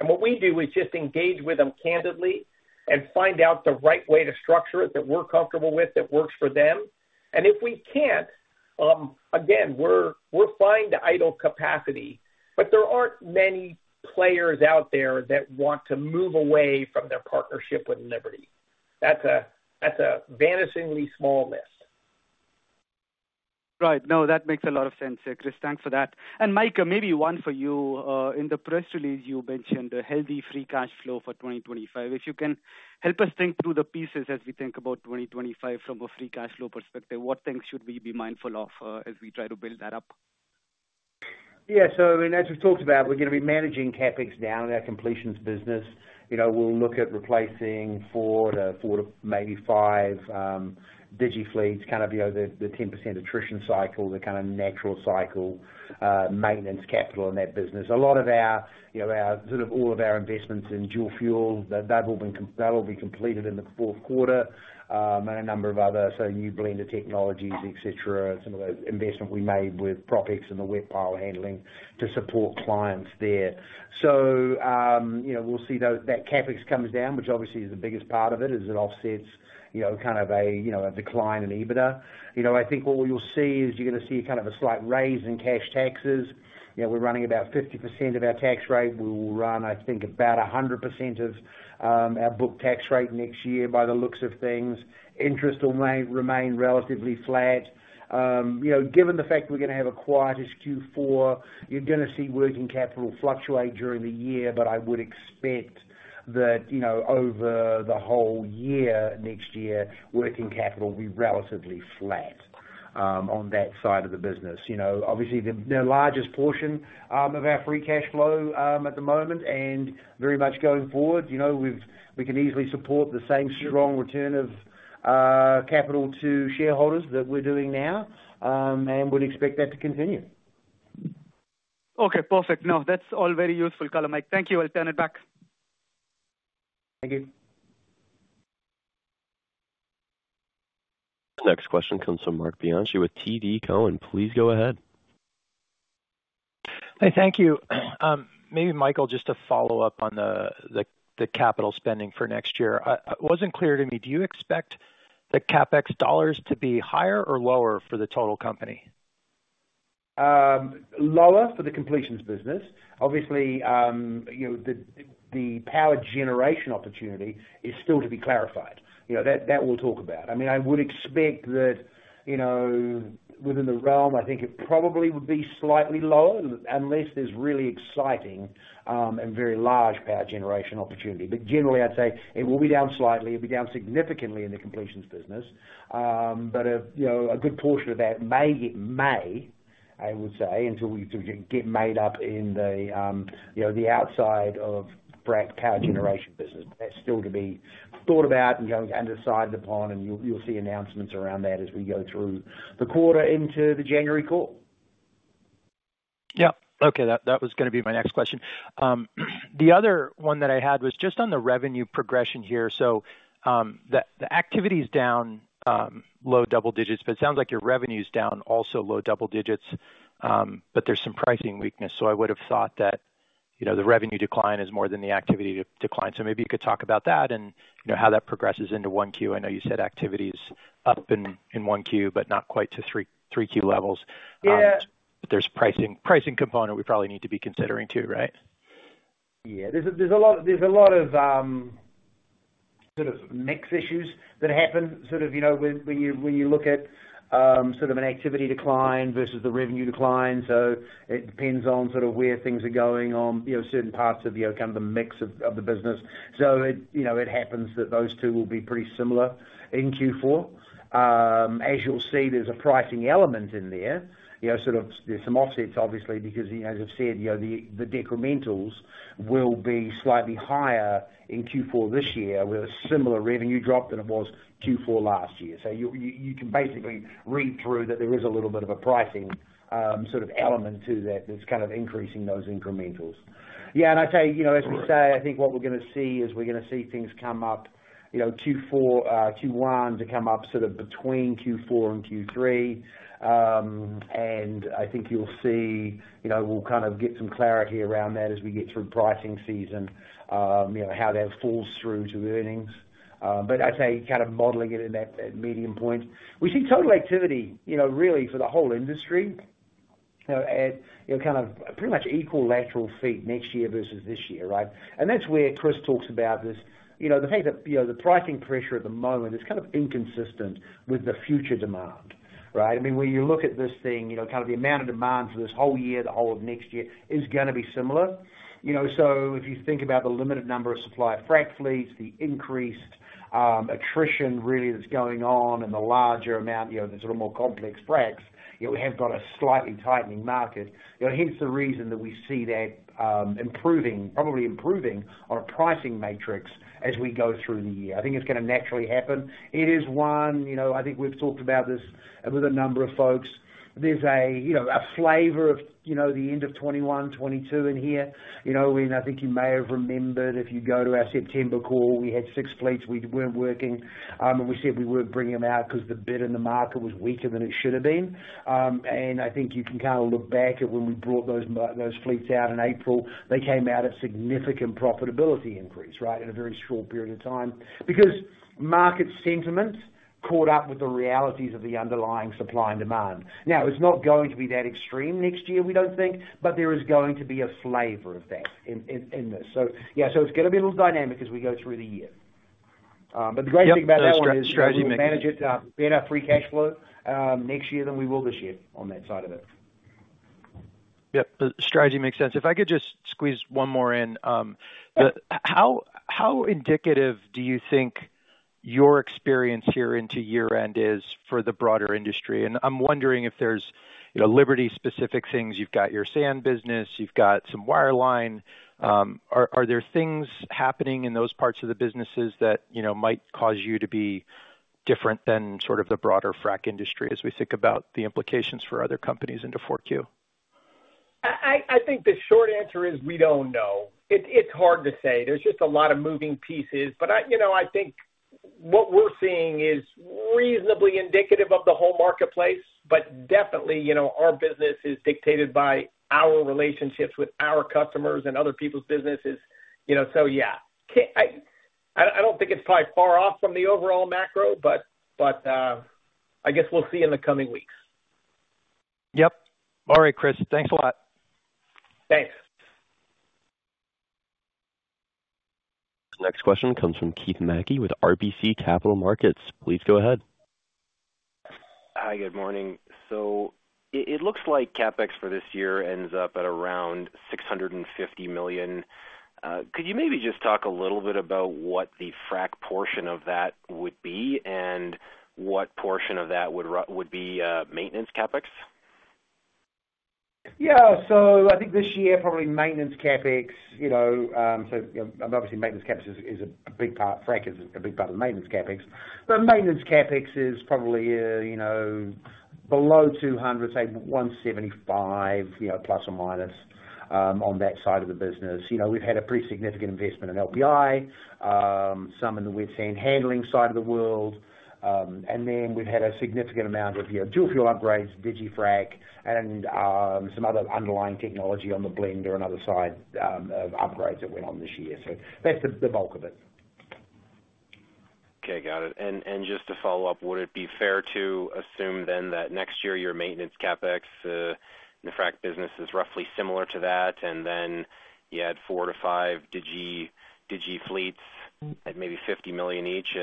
and what we do is just engage with them candidly and find out the right way to structure it, that we're comfortable with, that works for them. And if we can't, again, we're willing to idle capacity, but there aren't many players out there that want to move away from their partnership with Liberty. That's a vanishingly small list. Right. No, that makes a lot of sense there, Chris. Thanks for that. And Mike, maybe one for you. In the press release, you mentioned a healthy free cash flow for 2025. If you can help us think through the pieces as we think about 2025 from a free cash flow perspective, what things should we be mindful of, as we try to build that up? Yeah. So, I mean, as we've talked about, we're gonna be managing CapEx down in our completions business. You know, we'll look at replacing four to maybe five DigiFleet fleets, kind of, you know, the 10% attrition cycle, the kind of natural cycle, maintenance capital in that business. A lot of our, you know, our sort of all of our investments in dual fuel, that will be completed in the fourth quarter, and a number of other, so new blender technologies, et cetera, some of those investments we made with PropX and the wet pile handling to support clients there. So, you know, we'll see that CapEx comes down, which obviously is the biggest part of it, as it offsets, you know, kind of a, you know, a decline in EBITDA. You know, I think what you'll see is you're gonna see kind of a slight raise in cash taxes. You know, we're running about 50% of our tax rate. We will run, I think, about 100% of our book tax rate next year, by the looks of things. Interest will remain relatively flat. You know, given the fact we're gonna have a quietest Q4, you're gonna see working capital fluctuate during the year, but I would expect that, you know, over the whole year, next year, working capital will be relatively flat on that side of the business. You know, obviously, the largest portion of our free cash flow at the moment and very much going forward. You know, we can easily support the same strong return of capital to shareholders that we're doing now, and would expect that to continue. Okay, perfect. No, that's all very useful, color, Mike. Thank you. I'll turn it back. Thank you. Next question comes from Marc Bianchi with TD Cowen. Please go ahead. Hi, thank you. Maybe Michael, just to follow up on the capital spending for next year. It wasn't clear to me, do you expect the CapEx dollars to be higher or lower for the total company? Lower for the completions business. Obviously, you know, the power generation opportunity is still to be clarified. You know, that we'll talk about. I mean, I would expect that, you know, within the realm, I think it probably would be slightly lower, unless there's really exciting and very large power generation opportunity. But generally, I'd say it will be down slightly. It'll be down significantly in the completions business. But, you know, a good portion of that may, I would say, until we get made up in the, you know, the outside of frac power generation business. That's still to be thought about and going and decided upon, and you'll see announcements around that as we go through the quarter into the January call. Yep. Okay, that was gonna be my next question. The other one that I had was just on the revenue progression here. So, the activity is down low double digits, but it sounds like your revenue is down also low double digits, but there's some pricing weakness. So I would have thought that, you know, the revenue decline is more than the activity decline. So maybe you could talk about that and, you know, how that progresses into 1Q. I know you said activity is up in 1Q, but not quite to 3Q levels. Yeah. But there's pricing component we probably need to be considering too, right? Yeah. There's a lot of sort of mix issues that happen, sort of, you know, when you look at sort of an activity decline versus the revenue decline. So it depends on sort of where things are going on, you know, certain parts of, you know, kind of the mix of the business. So it happens that those two will be pretty similar in Q4. As you'll see, there's a pricing element in there. You know, sort of, there's some offsets, obviously, because, you know, as I've said, you know, the decrementals will be slightly higher in Q4 this year, with a similar revenue drop than it was Q4 last year. So you can basically read through that there is a little bit of a pricing sort of element to that, that's kind of increasing those incrementals. Yeah, and I'd say, you know, as we say, I think what we're gonna see is we're gonna see things come up, you know, Q4, Q1 to come up sort of between Q4 and Q3. And I think you'll see, you know, we'll kind of get some clarity around that as we get through pricing season, you know, how that falls through to earnings. But I'd say kind of modeling it in that medium point. We see total activity, you know, really for the whole industry, you know, at, you know, kind of pretty much equal lateral feet next year versus this year, right? That's where Chris talks about this, you know, the fact that, you know, the pricing pressure at the moment is kind of inconsistent with the future demand, right? I mean, when you look at this thing, you know, kind of the amount of demand for this whole year, the whole of next year is gonna be similar. You know, so if you think about the limited number of supply of frac fleets, the increased attrition really that's going on, and the larger amount, you know, the sort of more complex fracs, you know, we have got a slightly tightening market. You know, hence the reason that we see that improving, probably improving on a pricing matrix as we go through the year. I think it's gonna naturally happen. It is one, you know, I think we've talked about this with a number of folks. There's a, you know, a flavor of, you know, the end of 2021, 2022 in here. You know, and I think you may have remembered, if you go to our September call, we had six fleets we weren't working, and we said we weren't bringing them out because the bid in the market was weaker than it should have been. And I think you can kind of look back at when we brought those fleets out in April, they came out at significant profitability increase, right? In a very short period of time. Because market sentiment caught up with the realities of the underlying supply and demand. Now, it's not going to be that extreme next year, we don't think, but there is going to be a flavor of that in this. Yeah, so it's gonna be a little dynamic as we go through the year. But the great thing about that one is- Yep, the strategy makes sense. We manage it better free cash flow next year than we will this year on that side of it. Yep, the strategy makes sense. If I could just squeeze one more in. Yeah. How indicative do you think your experience here into year-end is for the broader industry? And I'm wondering if there's, you know, Liberty specific things. You've got your sand business, you've got some wireline. Are there things happening in those parts of the businesses that, you know, might cause you to be different than sort of the broader frac industry, as we think about the implications for other companies into Q4? I think the short answer is we don't know. It's hard to say. There's just a lot of moving pieces, but, you know, I think what we're seeing is reasonably indicative of the whole marketplace, but definitely, you know, our business is dictated by our relationships with our customers and other people's businesses, you know, so yeah. I don't think it's probably far off from the overall macro, but, I guess we'll see in the coming weeks. Yep. All right, Chris, thanks a lot. Thanks. Next question comes from Keith Mackey with RBC Capital Markets. Please go ahead. Hi, good morning. So it looks like CapEx for this year ends up at around $650 million. Could you maybe just talk a little bit about what the frac portion of that would be, and what portion of that would be maintenance CapEx? Yeah, so I think this year, probably maintenance CapEx, you know, so, you know, obviously, maintenance CapEx is a big part. Frac is a big part of the maintenance CapEx. But maintenance CapEx is probably, you know, below two hundred, say one seventy-five, you know, plus or minus, on that side of the business. You know, we've had a pretty significant investment in LPI, some in the wet sand handling side of the world. And then we've had a significant amount of, you know, dual fuel upgrades, DigiFrac, and, some other underlying technology on the blender side, of upgrades that went on this year. So that's the bulk of it. Okay, got it. And just to follow up, would it be fair to assume then that next year, your maintenance CapEx in the frac business is roughly similar to that, and then you add four to five DigiFleet at maybe $50 million each,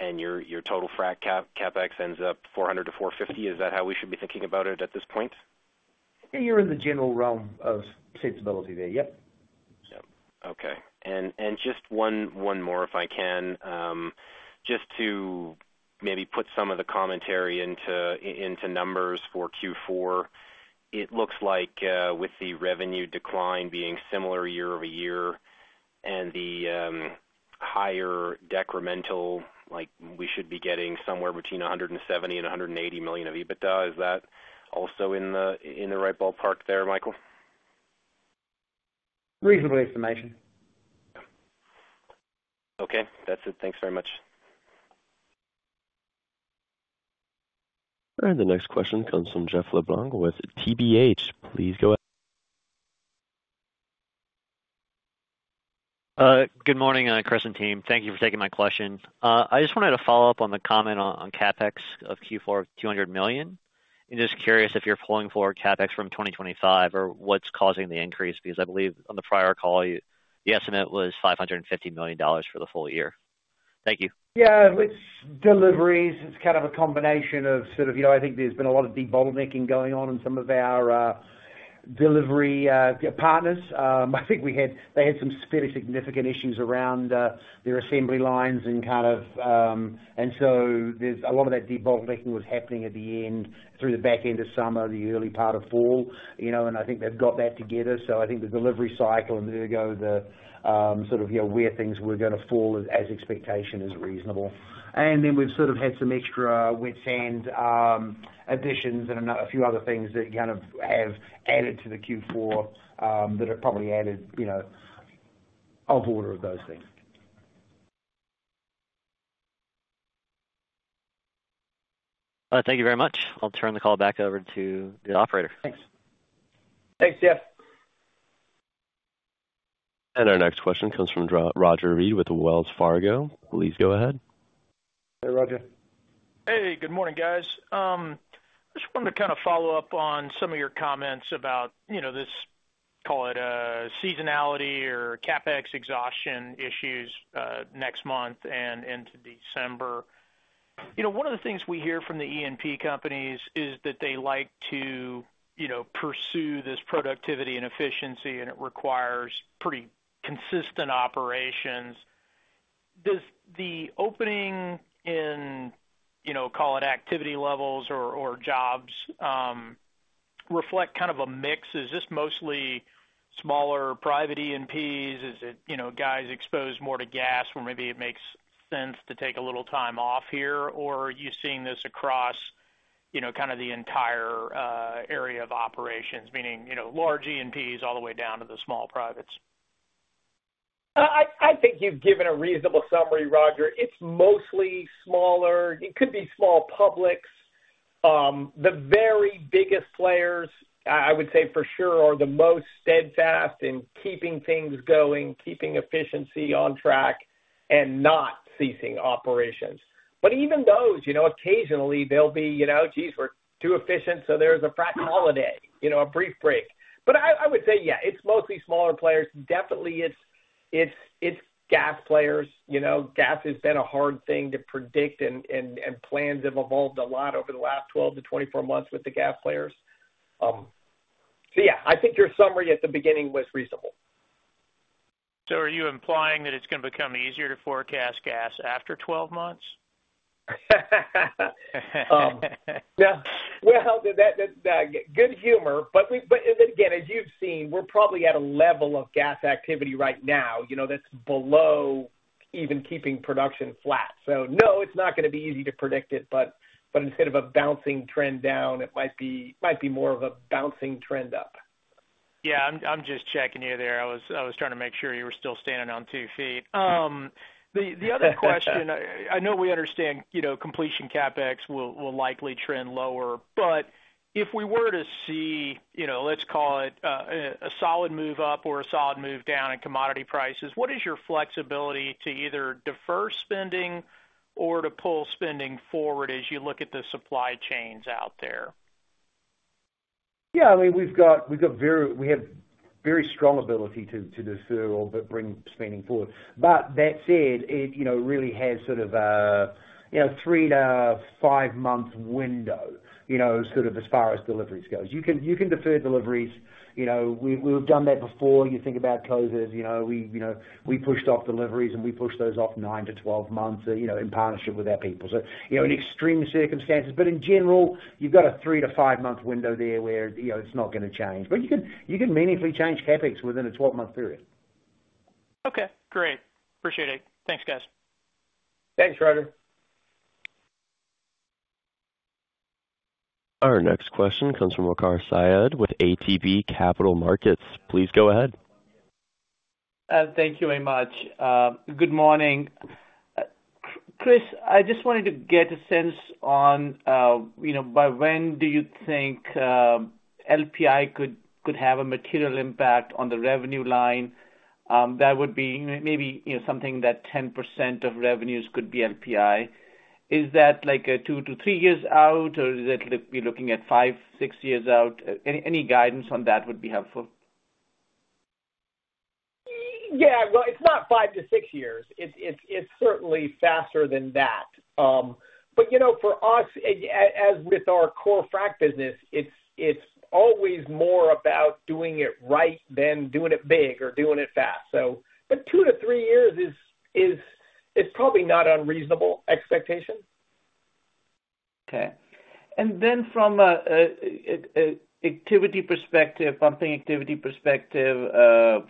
and your total frac CapEx ends up $400 million-$450 million? Is that how we should be thinking about it at this point? You're in the general realm of sensibility there. Yep. Yep. Okay. And just one more, if I can. Just to maybe put some of the commentary into numbers for Q4. It looks like, with the revenue decline being similar year over year and the higher decremental, like, we should be getting somewhere between 170 and 180 million of EBITDA. Is that also in the right ballpark there, Michael? Reasonable estimation. Okay, that's it. Thanks very much. And the next question comes from Jeff LeBlanc with TPH. Please go ahead. Good morning, Crescent team. Thank you for taking my question. I just wanted to follow up on the comment on, on CapEx of Q4, $200 million. I'm just curious if you're pulling forward CapEx from 2025 or what's causing the increase? Because I believe on the prior call, you, the estimate was $550 million for the full year. Thank you. Yeah, it's deliveries. It's kind of a combination of sort of, you know, I think there's been a lot of debottlenecking going on in some of our delivery partners. I think we had they had some fairly significant issues around their assembly lines and kind of. And so there's a lot of that debottlenecking was happening at the end, through the back end of summer, the early part of fall, you know, and I think they've got that together. So I think the delivery cycle and ergo the sort of, you know, where things were gonna fall as expectation is reasonable. And then we've sort of had some extra wet sand additions and another few other things that kind of have added to the Q4 that have probably added, you know, of order of those things. Thank you very much. I'll turn the call back over to the operator. Thanks. Thanks, Jeff. Our next question comes from Roger Read with Wells Fargo. Please go ahead. Hey, Roger. Hey, good morning, guys. Just wanted to kind of follow up on some of your comments about, you know, this, call it, seasonality or CapEx exhaustion issues next month and into December. You know, one of the things we hear from the E&P companies is that they like to, you know, pursue this productivity and efficiency, and it requires pretty consistent operations. Does the opening in, you know, call it, activity levels or jobs reflect kind of a mix? Is this mostly smaller private E&Ps? Is it, you know, guys exposed more to gas, where maybe it makes sense to take a little time off here? Or are you seeing this across, you know, kind of the entire area of operations, meaning, you know, large E&Ps all the way down to the small privates? I think you've given a reasonable summary, Roger. It's mostly smaller. It could be small publics. The very biggest players, I would say for sure, are the most steadfast in keeping things going, keeping efficiency on track and not ceasing operations. But even those, you know, occasionally they'll be, you know, geez, we're too efficient, so there's a frac holiday, you know, a brief break. But I would say, yeah, it's mostly smaller players. Definitely, it's gas players. You know, gas has been a hard thing to predict, and plans have evolved a lot over the last twelve to twenty-four months with the gas players. So yeah, I think your summary at the beginning was reasonable. So are you implying that it's gonna become easier to forecast gas after twelve months? Yeah. Well, that good humor, but again, as you've seen, we're probably at a level of gas activity right now, you know, that's below even keeping production flat. So no, it's not gonna be easy to predict it, but instead of a bouncing trend down, it might be more of a bouncing trend up. Yeah, I'm just checking you there. I was trying to make sure you were still standing on two feet. The other question, I know we understand, you know, completion CapEx will likely trend lower. But if we were to see, you know, let's call it, a solid move up or a solid move down in commodity prices, what is your flexibility to either defer spending or to pull spending forward as you look at the supply chains out there? Yeah, I mean, we've got very strong ability to defer or but bring spending forward. But that said, it you know really has sort of a you know three- to five-month window you know sort of as far as deliveries goes. You can defer deliveries. You know, we've done that before. You think about closures, you know, we you know we pushed off deliveries, and we pushed those off nine to 12 months you know in partnership with our people. So you know in extreme circumstances, but in general, you've got a three- to five-month window there where you know it's not gonna change. But you can meaningfully change CapEx within a 12-month period. Okay, great. Appreciate it. Thanks, guys. Thanks, Roger. Our next question comes from Waqar Syed with ATB Capital Markets. Please go ahead. Thank you very much. Good morning. Chris, I just wanted to get a sense on, you know, by when do you think LPI could have a material impact on the revenue line, that would be maybe, you know, something that 10% of revenues could be LPI. Is that like a 2-3 years out, or is it be looking at 5-6 years out? Any guidance on that would be helpful. Yeah, well, it's not five to six years. It's certainly faster than that. But you know, for us, as with our core frac business, it's always more about doing it right than doing it big or doing it fast. So but two to three years is probably not unreasonable expectation. Okay. And then from a activity perspective, pumping activity perspective,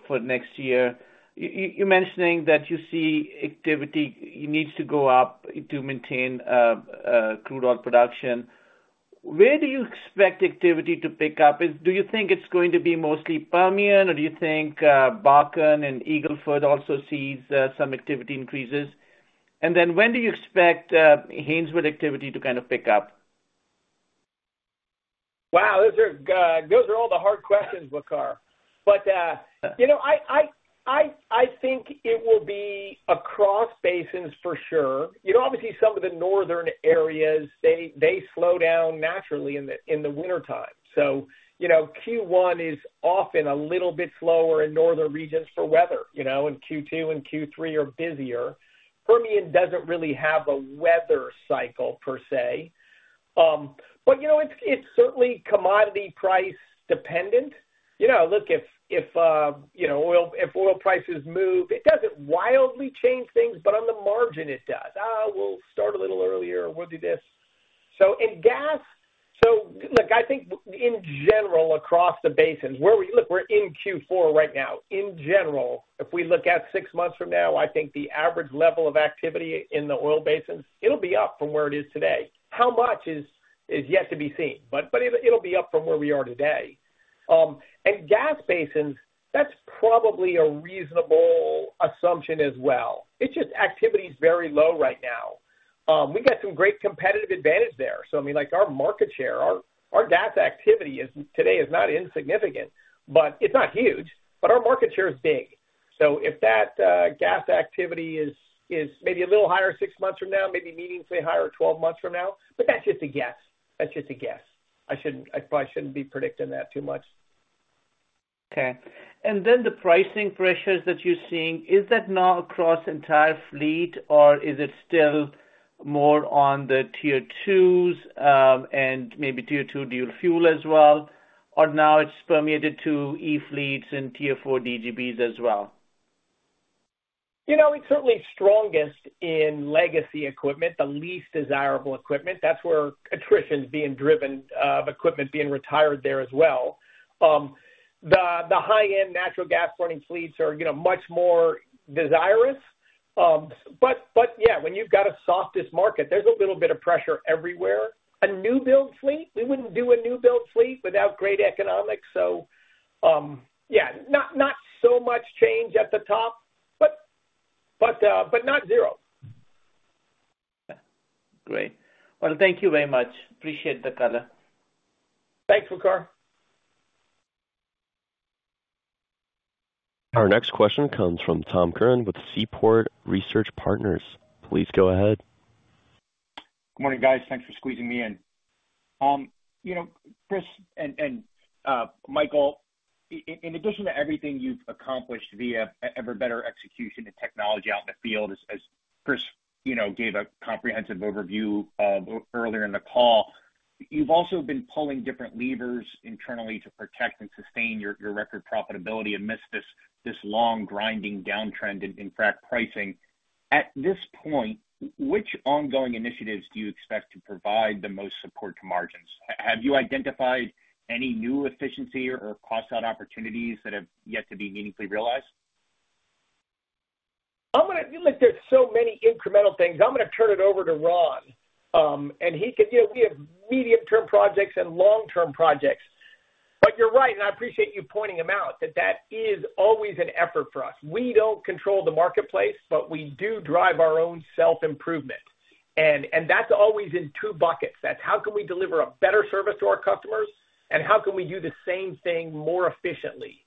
for next year, you're mentioning that you see activity needs to go up to maintain crude oil production. Where do you expect activity to pick up? Do you think it's going to be mostly Permian, or do you think Bakken and Eagle Ford also sees some activity increases? And then when do you expect Haynesville activity to kind of pick up? Wow, those are all the hard questions, Waqar. But you know, I think it will be across basins for sure. You know, obviously, some of the northern areas they slow down naturally in the wintertime. So you know, Q1 is often a little bit slower in northern regions for weather, you know, and Q2 and Q3 are busier. Permian doesn't really have a weather cycle per se. But you know, it's certainly commodity price dependent. You know, look, if oil prices move, it doesn't wildly change things, but on the margin, it does. We'll start a little earlier, we'll do this. So look, I think in general, across the basins, look, we're in Q4 right now. In general, if we look out six months from now, I think the average level of activity in the oil basins, it'll be up from where it is today. How much is yet to be seen, but it, it'll be up from where we are today. And gas basins, that's probably a reasonable assumption as well. It's just activity is very low right now. We got some great competitive advantage there. So I mean, like, our market share, our gas activity today is not insignificant, but it's not huge, but our market share is big. So if that, gas activity is maybe a little higher six months from now, maybe meaningfully higher twelve months from now, but that's just a guess. That's just a guess. I shouldn't. I probably shouldn't be predicting that too much. Okay. And then the pricing pressures that you're seeing, is that now across entire fleet, or is it still more on the Tier 2s, and maybe Tier 2 dual fuel as well? Or now it's permeated to e-fleets and Tier 4 DGBs as well? You know, it's certainly strongest in legacy equipment, the least desirable equipment. That's where attrition is being driven, of equipment being retired there as well. The high-end natural gas running fleets are, you know, much more desirous, but yeah, when you've got a softest market, there's a little bit of pressure everywhere. A new build fleet, we wouldn't do a new build fleet without great economics, so yeah, not so much change at the top, but not zero. Great. Well, thank you very much. Appreciate the color. Thanks, Waqar. Our next question comes from Tom Curran with Seaport Research Partners. Please go ahead. Good morning, guys. Thanks for squeezing me in. You know, Chris and Michael, in addition to everything you've accomplished via ever better execution and technology out in the field, as Chris, you know, gave a comprehensive overview earlier in the call, you've also been pulling different levers internally to protect and sustain your record profitability amidst this long, grinding downtrend in frac pricing. At this point, which ongoing initiatives do you expect to provide the most support to margins? Have you identified any new efficiency or cost out opportunities that have yet to be meaningfully realized? I'm gonna. Look, there's so many incremental things. I'm gonna turn it over to Ron, and he can... You know, we have medium-term projects and long-term projects. But you're right, and I appreciate you pointing them out, that is always an effort for us. We don't control the marketplace, but we do drive our own self-improvement, and that's always in two buckets. That's how can we deliver a better service to our customers, and how can we do the same thing more efficiently,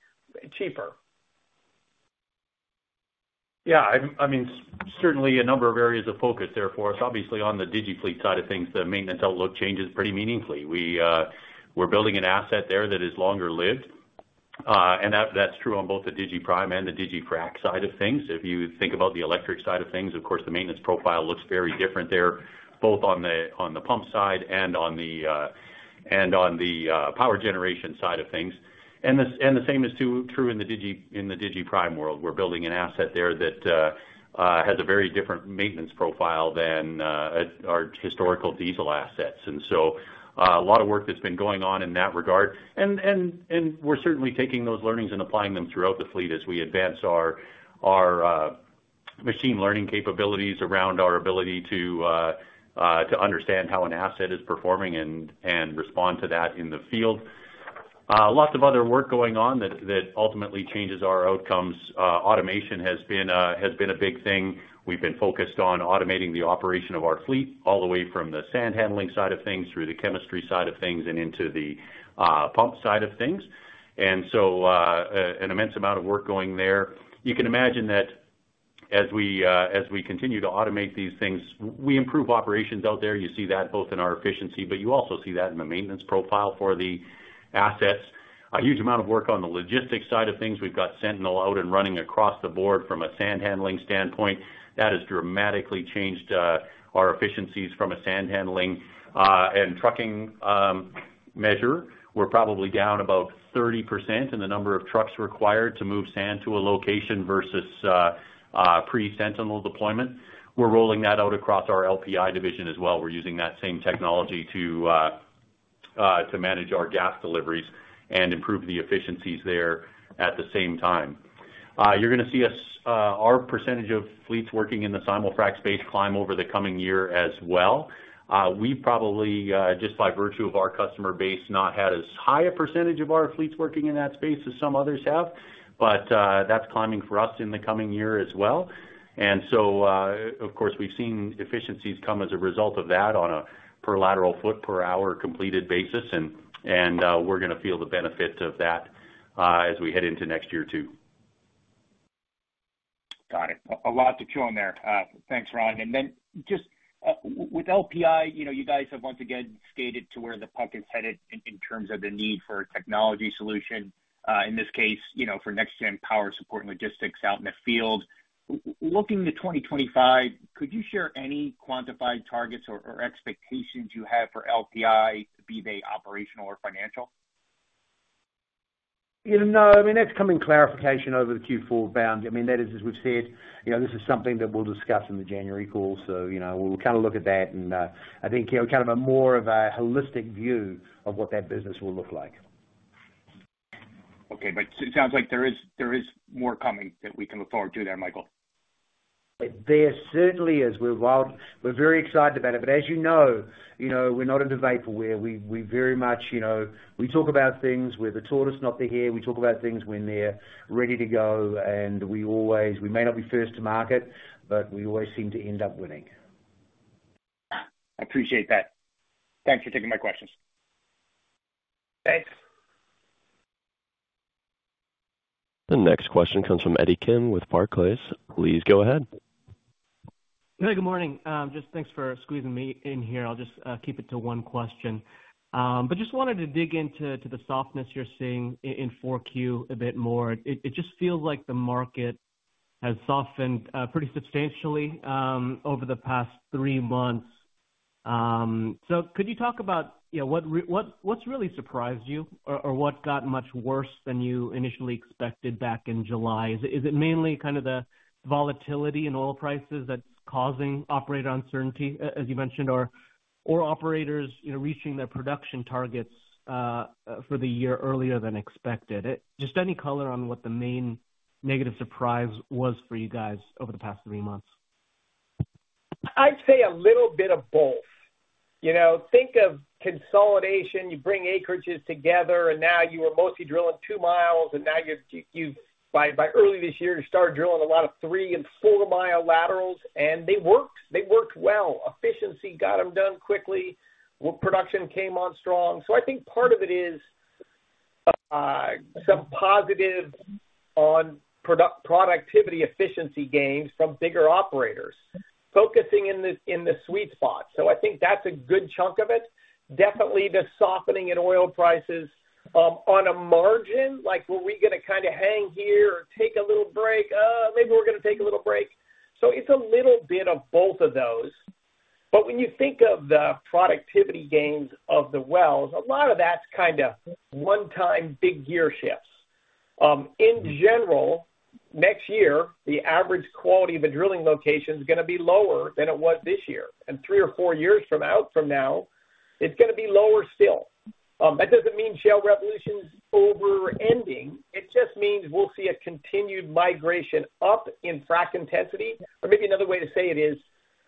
cheaper? Yeah, I mean, certainly a number of areas of focus there for us. Obviously, on the DigiFleet side of things, the maintenance outlook changes pretty meaningfully. We're building an asset there that is longer lived, and that's true on both the DigiPrime and the DigiFrac side of things. If you think about the electric side of things, of course, the maintenance profile looks very different there, both on the pump side and on the power generation side of things. And the same is true in the DigiPrime world. We're building an asset there that has a very different maintenance profile than our historical diesel assets. And so, a lot of work that's been going on in that regard. We're certainly taking those learnings and applying them throughout the fleet as we advance our machine learning capabilities around our ability to understand how an asset is performing and respond to that in the field. Lots of other work going on that ultimately changes our outcomes. Automation has been a big thing. We've been focused on automating the operation of our fleet, all the way from the sand handling side of things through the chemistry side of things and into the pump side of things. An immense amount of work going there. You can imagine that as we continue to automate these things, we improve operations out there. You see that both in our efficiency, but you also see that in the maintenance profile for the assets. A huge amount of work on the logistics side of things. We've got Sentinel out and running across the board from a sand handling standpoint. That has dramatically changed our efficiencies from a sand handling and trucking measure. We're probably down about 30% in the number of trucks required to move sand to a location versus pre-Sentinel deployment. We're rolling that out across our LPI division as well. We're using that same technology to manage our gas deliveries and improve the efficiencies there at the same time. You're gonna see us our percentage of fleets working in the simulfrac space climb over the coming year as well. We probably just by virtue of our customer base not had as high a percentage of our fleets working in that space as some others have, but that's climbing for us in the coming year as well. And so of course we've seen efficiencies come as a result of that on a per lateral foot per hour completed basis, and we're gonna feel the benefits of that as we head into next year too. Got it. A lot to chew on there. Thanks, Ron. And then just, with LPI, you know, you guys have once again skated to where the puck is headed in terms of the need for a technology solution, in this case, you know, for next gen power support and logistics out in the field. Looking to twenty twenty-five, could you share any quantified targets or expectations you have for LPI, be they operational or financial? You know, no, I mean, that's the clarification over the Q4 guidance. I mean, that is, as we've said, you know, this is something that we'll discuss in the January call. So, you know, we'll kind of look at that and, I think, you know, kind of a more holistic view of what that business will look like. Okay, but it sounds like there is more coming that we can look forward to there, Michael. There certainly is. We're very excited about it, but as you know, you know, we're not in the vaporware. We very much, you know, we talk about things. We're the tortoise, not the hare. We talk about things when they're ready to go, and we may not be first to market, but we always seem to end up winning. I appreciate that. Thanks for taking my questions. Thanks. The next question comes from Eddie Kim with Barclays. Please go ahead. Hey, good morning. Just thanks for squeezing me in here. I'll just keep it to one question. But just wanted to dig into the softness you're seeing in 4Q a bit more. It just feels like the market has softened pretty substantially over the past three months. So could you talk about, you know, what's really surprised you or what got much worse than you initially expected back in July? Is it mainly kind of the volatility in oil prices that's causing operator uncertainty, as you mentioned, or operators, you know, reaching their production targets for the year earlier than expected? Just any color on what the main negative surprise was for you guys over the past three months? I'd say a little bit of both. You know, think of consolidation. You bring acreages together, and now you are mostly drilling two miles, and now you've by early this year, you started drilling a lot of three and four-mile laterals, and they worked. They worked well. Efficiency got them done quickly, well, production came on strong. So I think part of it is some positive on productivity efficiency gains from bigger operators focusing in the, in the sweet spot. So I think that's a good chunk of it. Definitely, the softening in oil prices on a margin, like, were we gonna kinda hang here or take a little break? Maybe we're gonna take a little break. So it's a little bit of both of those. But when you think of the productivity gains of the wells, a lot of that's kind of one-time big gear shifts. In general, next year, the average quality of a drilling location is gonna be lower than it was this year, and three or four years from now, it's gonna be lower still. That doesn't mean the shale revolution is ending. It just means we'll see a continued migration up in frac intensity. Or maybe another way to say it is,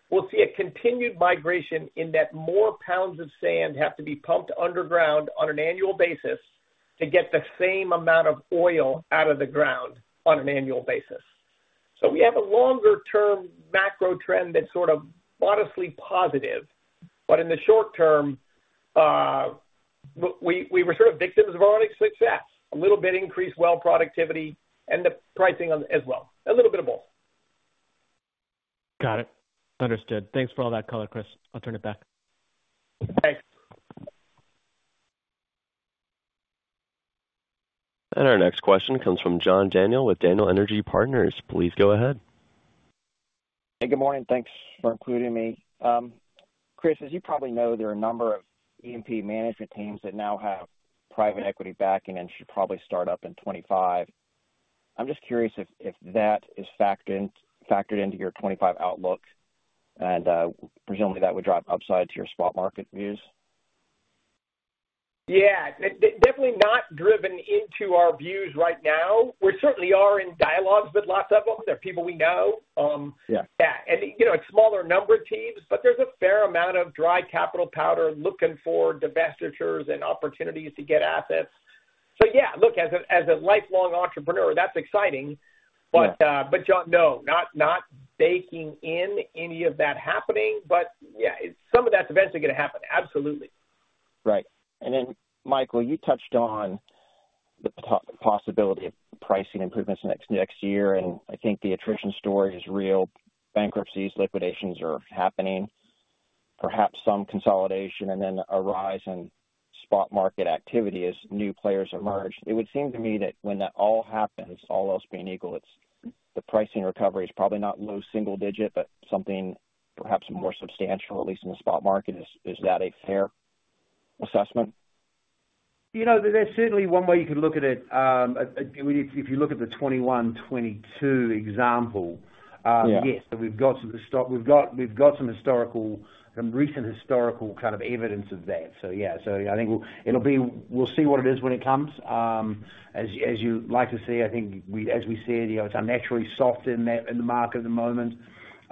we'll see a continued migration in that more pounds of sand have to be pumped underground on an annual basis to get the same amount of oil out of the ground on an annual basis. So we have a longer-term macro trend that's sort of modestly positive, but in the short term, we were sort of victims of our own success. A little bit increased well productivity and the pricing on as well. A little bit of both. Got it. Understood. Thanks for all that color, Chris. I'll turn it back. Thanks. Our next question comes from John Daniel with Daniel Energy Partners. Please go ahead. Hey, good morning. Thanks for including me. Chris, as you probably know, there are a number of E&P management teams that now have private equity backing and should probably start up in 2025. I'm just curious if that is factored into your 2025 outlook, and presumably, that would drive upside to your spot market view. Yeah, definitely not driven into our views right now. We certainly are in dialogues with lots of them. They're people we know. Yeah. Yeah, and, you know, a smaller number of teams, but there's a fair amount of dry powder looking for divestitures and opportunities to get assets. So yeah, look, as a lifelong entrepreneur, that's exciting. Yeah. But, but John, no, not, not baking in any of that happening. But yeah, some of that's eventually gonna happen. Absolutely. Right. And then, Michael, you touched on the possibility of pricing improvements next year, and I think the attrition story is real. Bankruptcies, liquidations are happening, perhaps some consolidation and then a rise in spot market activity as new players emerge. It would seem to me that when that all happens, all else being equal, it's the pricing recovery is probably not low single digit, but something perhaps more substantial, at least in the spot market. Is that a fair assessment? You know, there's certainly one way you can look at it. If you look at the 2021, 2022 example, Yeah. Yes, we've got some historical, some recent historical kind of evidence of that. So, yeah. So I think we'll see what it is when it comes. As you like to say, I think, as we said, you know, it's unnaturally soft in that, in the market at the moment,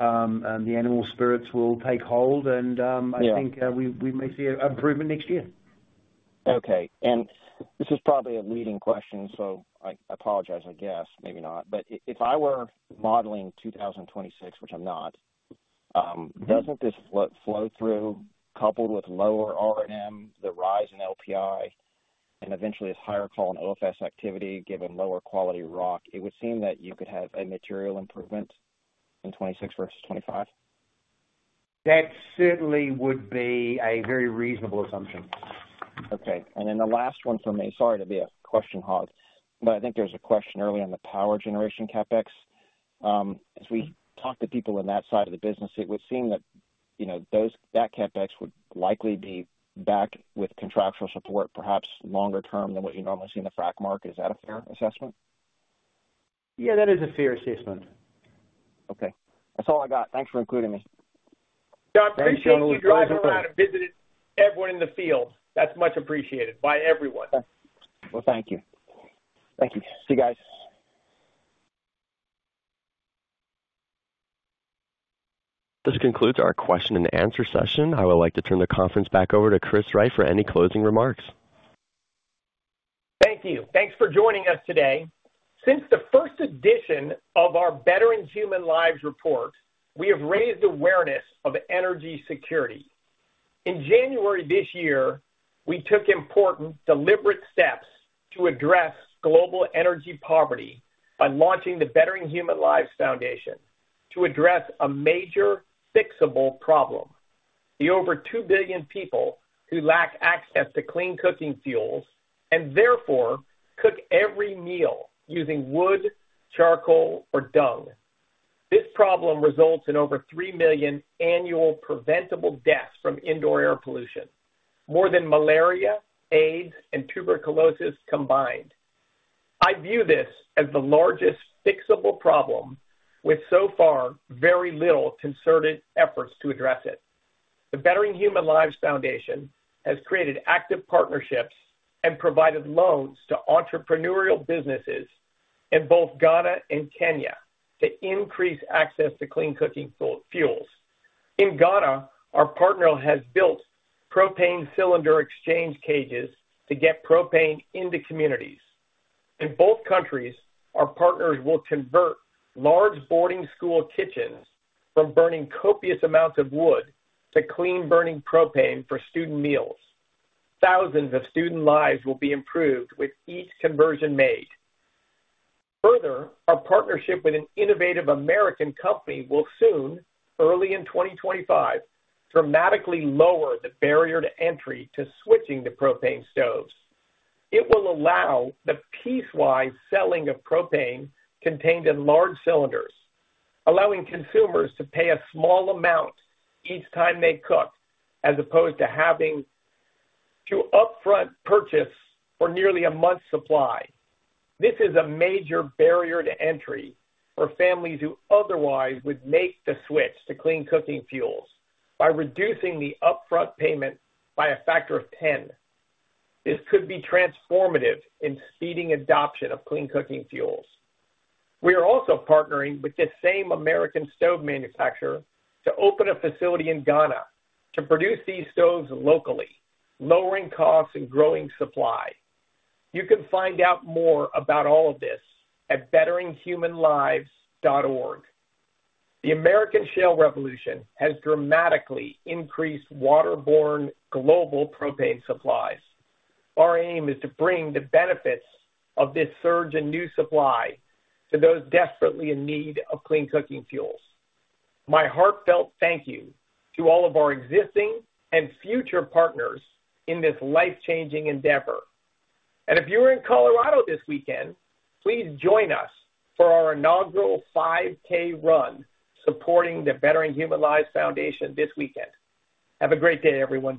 and the animal spirits will take hold, and. Yeah I think, we may see improvement next year. Okay. And this is probably a leading question, so I apologize, I guess. Maybe not. But if I were modeling 2026, which I'm not, doesn't this flow through, coupled with lower RM, the rise in LPI, and eventually as higher call on OFS activity, given lower quality rock, it would seem that you could have a material improvement in 2026 versus 2025? That certainly would be a very reasonable assumption. Okay, and then the last one for me. Sorry to be a question hog, but I think there was a question early on the power generation CapEx. As we talk to people on that side of the business, it would seem that, you know, those, that CapEx would likely be back with contractual support, perhaps longer term than what you normally see in the frac market. Is that a fair assessment? Yeah, that is a fair assessment. Okay. That's all I got. Thanks for including me. John, appreciate you driving around and visiting everyone in the field. That's much appreciated by everyone. Thank you. Thank you. See you guys. This concludes our question and answer session. I would like to turn the conference back over to Chris Wright for any closing remarks. Thank you. Thanks for joining us today. Since the first edition of our Bettering Human Lives report, we have raised awareness of energy security. In January this year, we took important, deliberate steps to address global energy poverty by launching the Bettering Human Lives Foundation to address a major fixable problem: the over two billion people who lack access to clean cooking fuels, and therefore cook every meal using wood, charcoal or dung. This problem results in over three million annual preventable deaths from indoor air pollution, more than malaria, AIDS, and tuberculosis combined. I view this as the largest fixable problem, with so far very little concerted efforts to address it. The Bettering Human Lives Foundation has created active partnerships and provided loans to entrepreneurial businesses in both Ghana and Kenya to increase access to clean cooking fuels. In Ghana, our partner has built propane cylinder exchange cages to get propane into communities. In both countries, our partners will convert large boarding school kitchens from burning copious amounts of wood to clean burning propane for student meals. Thousands of student lives will be improved with each conversion made. Further, our partnership with an innovative American company will soon, early in twenty twenty-five, dramatically lower the barrier to entry to switching to propane stoves. It will allow the piecewise selling of propane contained in large cylinders, allowing consumers to pay a small amount each time they cook, as opposed to having to upfront purchase for nearly a month's supply. This is a major barrier to entry for families who otherwise would make the switch to clean cooking fuels. By reducing the upfront payment by a factor of ten, this could be transformative in speeding adoption of clean cooking fuels. We are also partnering with the same American stove manufacturer to open a facility in Ghana to produce these stoves locally, lowering costs and growing supply. You can find out more about all of this at betteringhumanlives.org. The American Shale Revolution has dramatically increased waterborne global propane supplies. Our aim is to bring the benefits of this surge in new supply to those desperately in need of clean cooking fuels. My heartfelt thank you to all of our existing and future partners in this life-changing endeavor. And if you're in Colorado this weekend, please join us for our inaugural 5K run, supporting the Bettering Human Lives Foundation this weekend. Have a great day, everyone.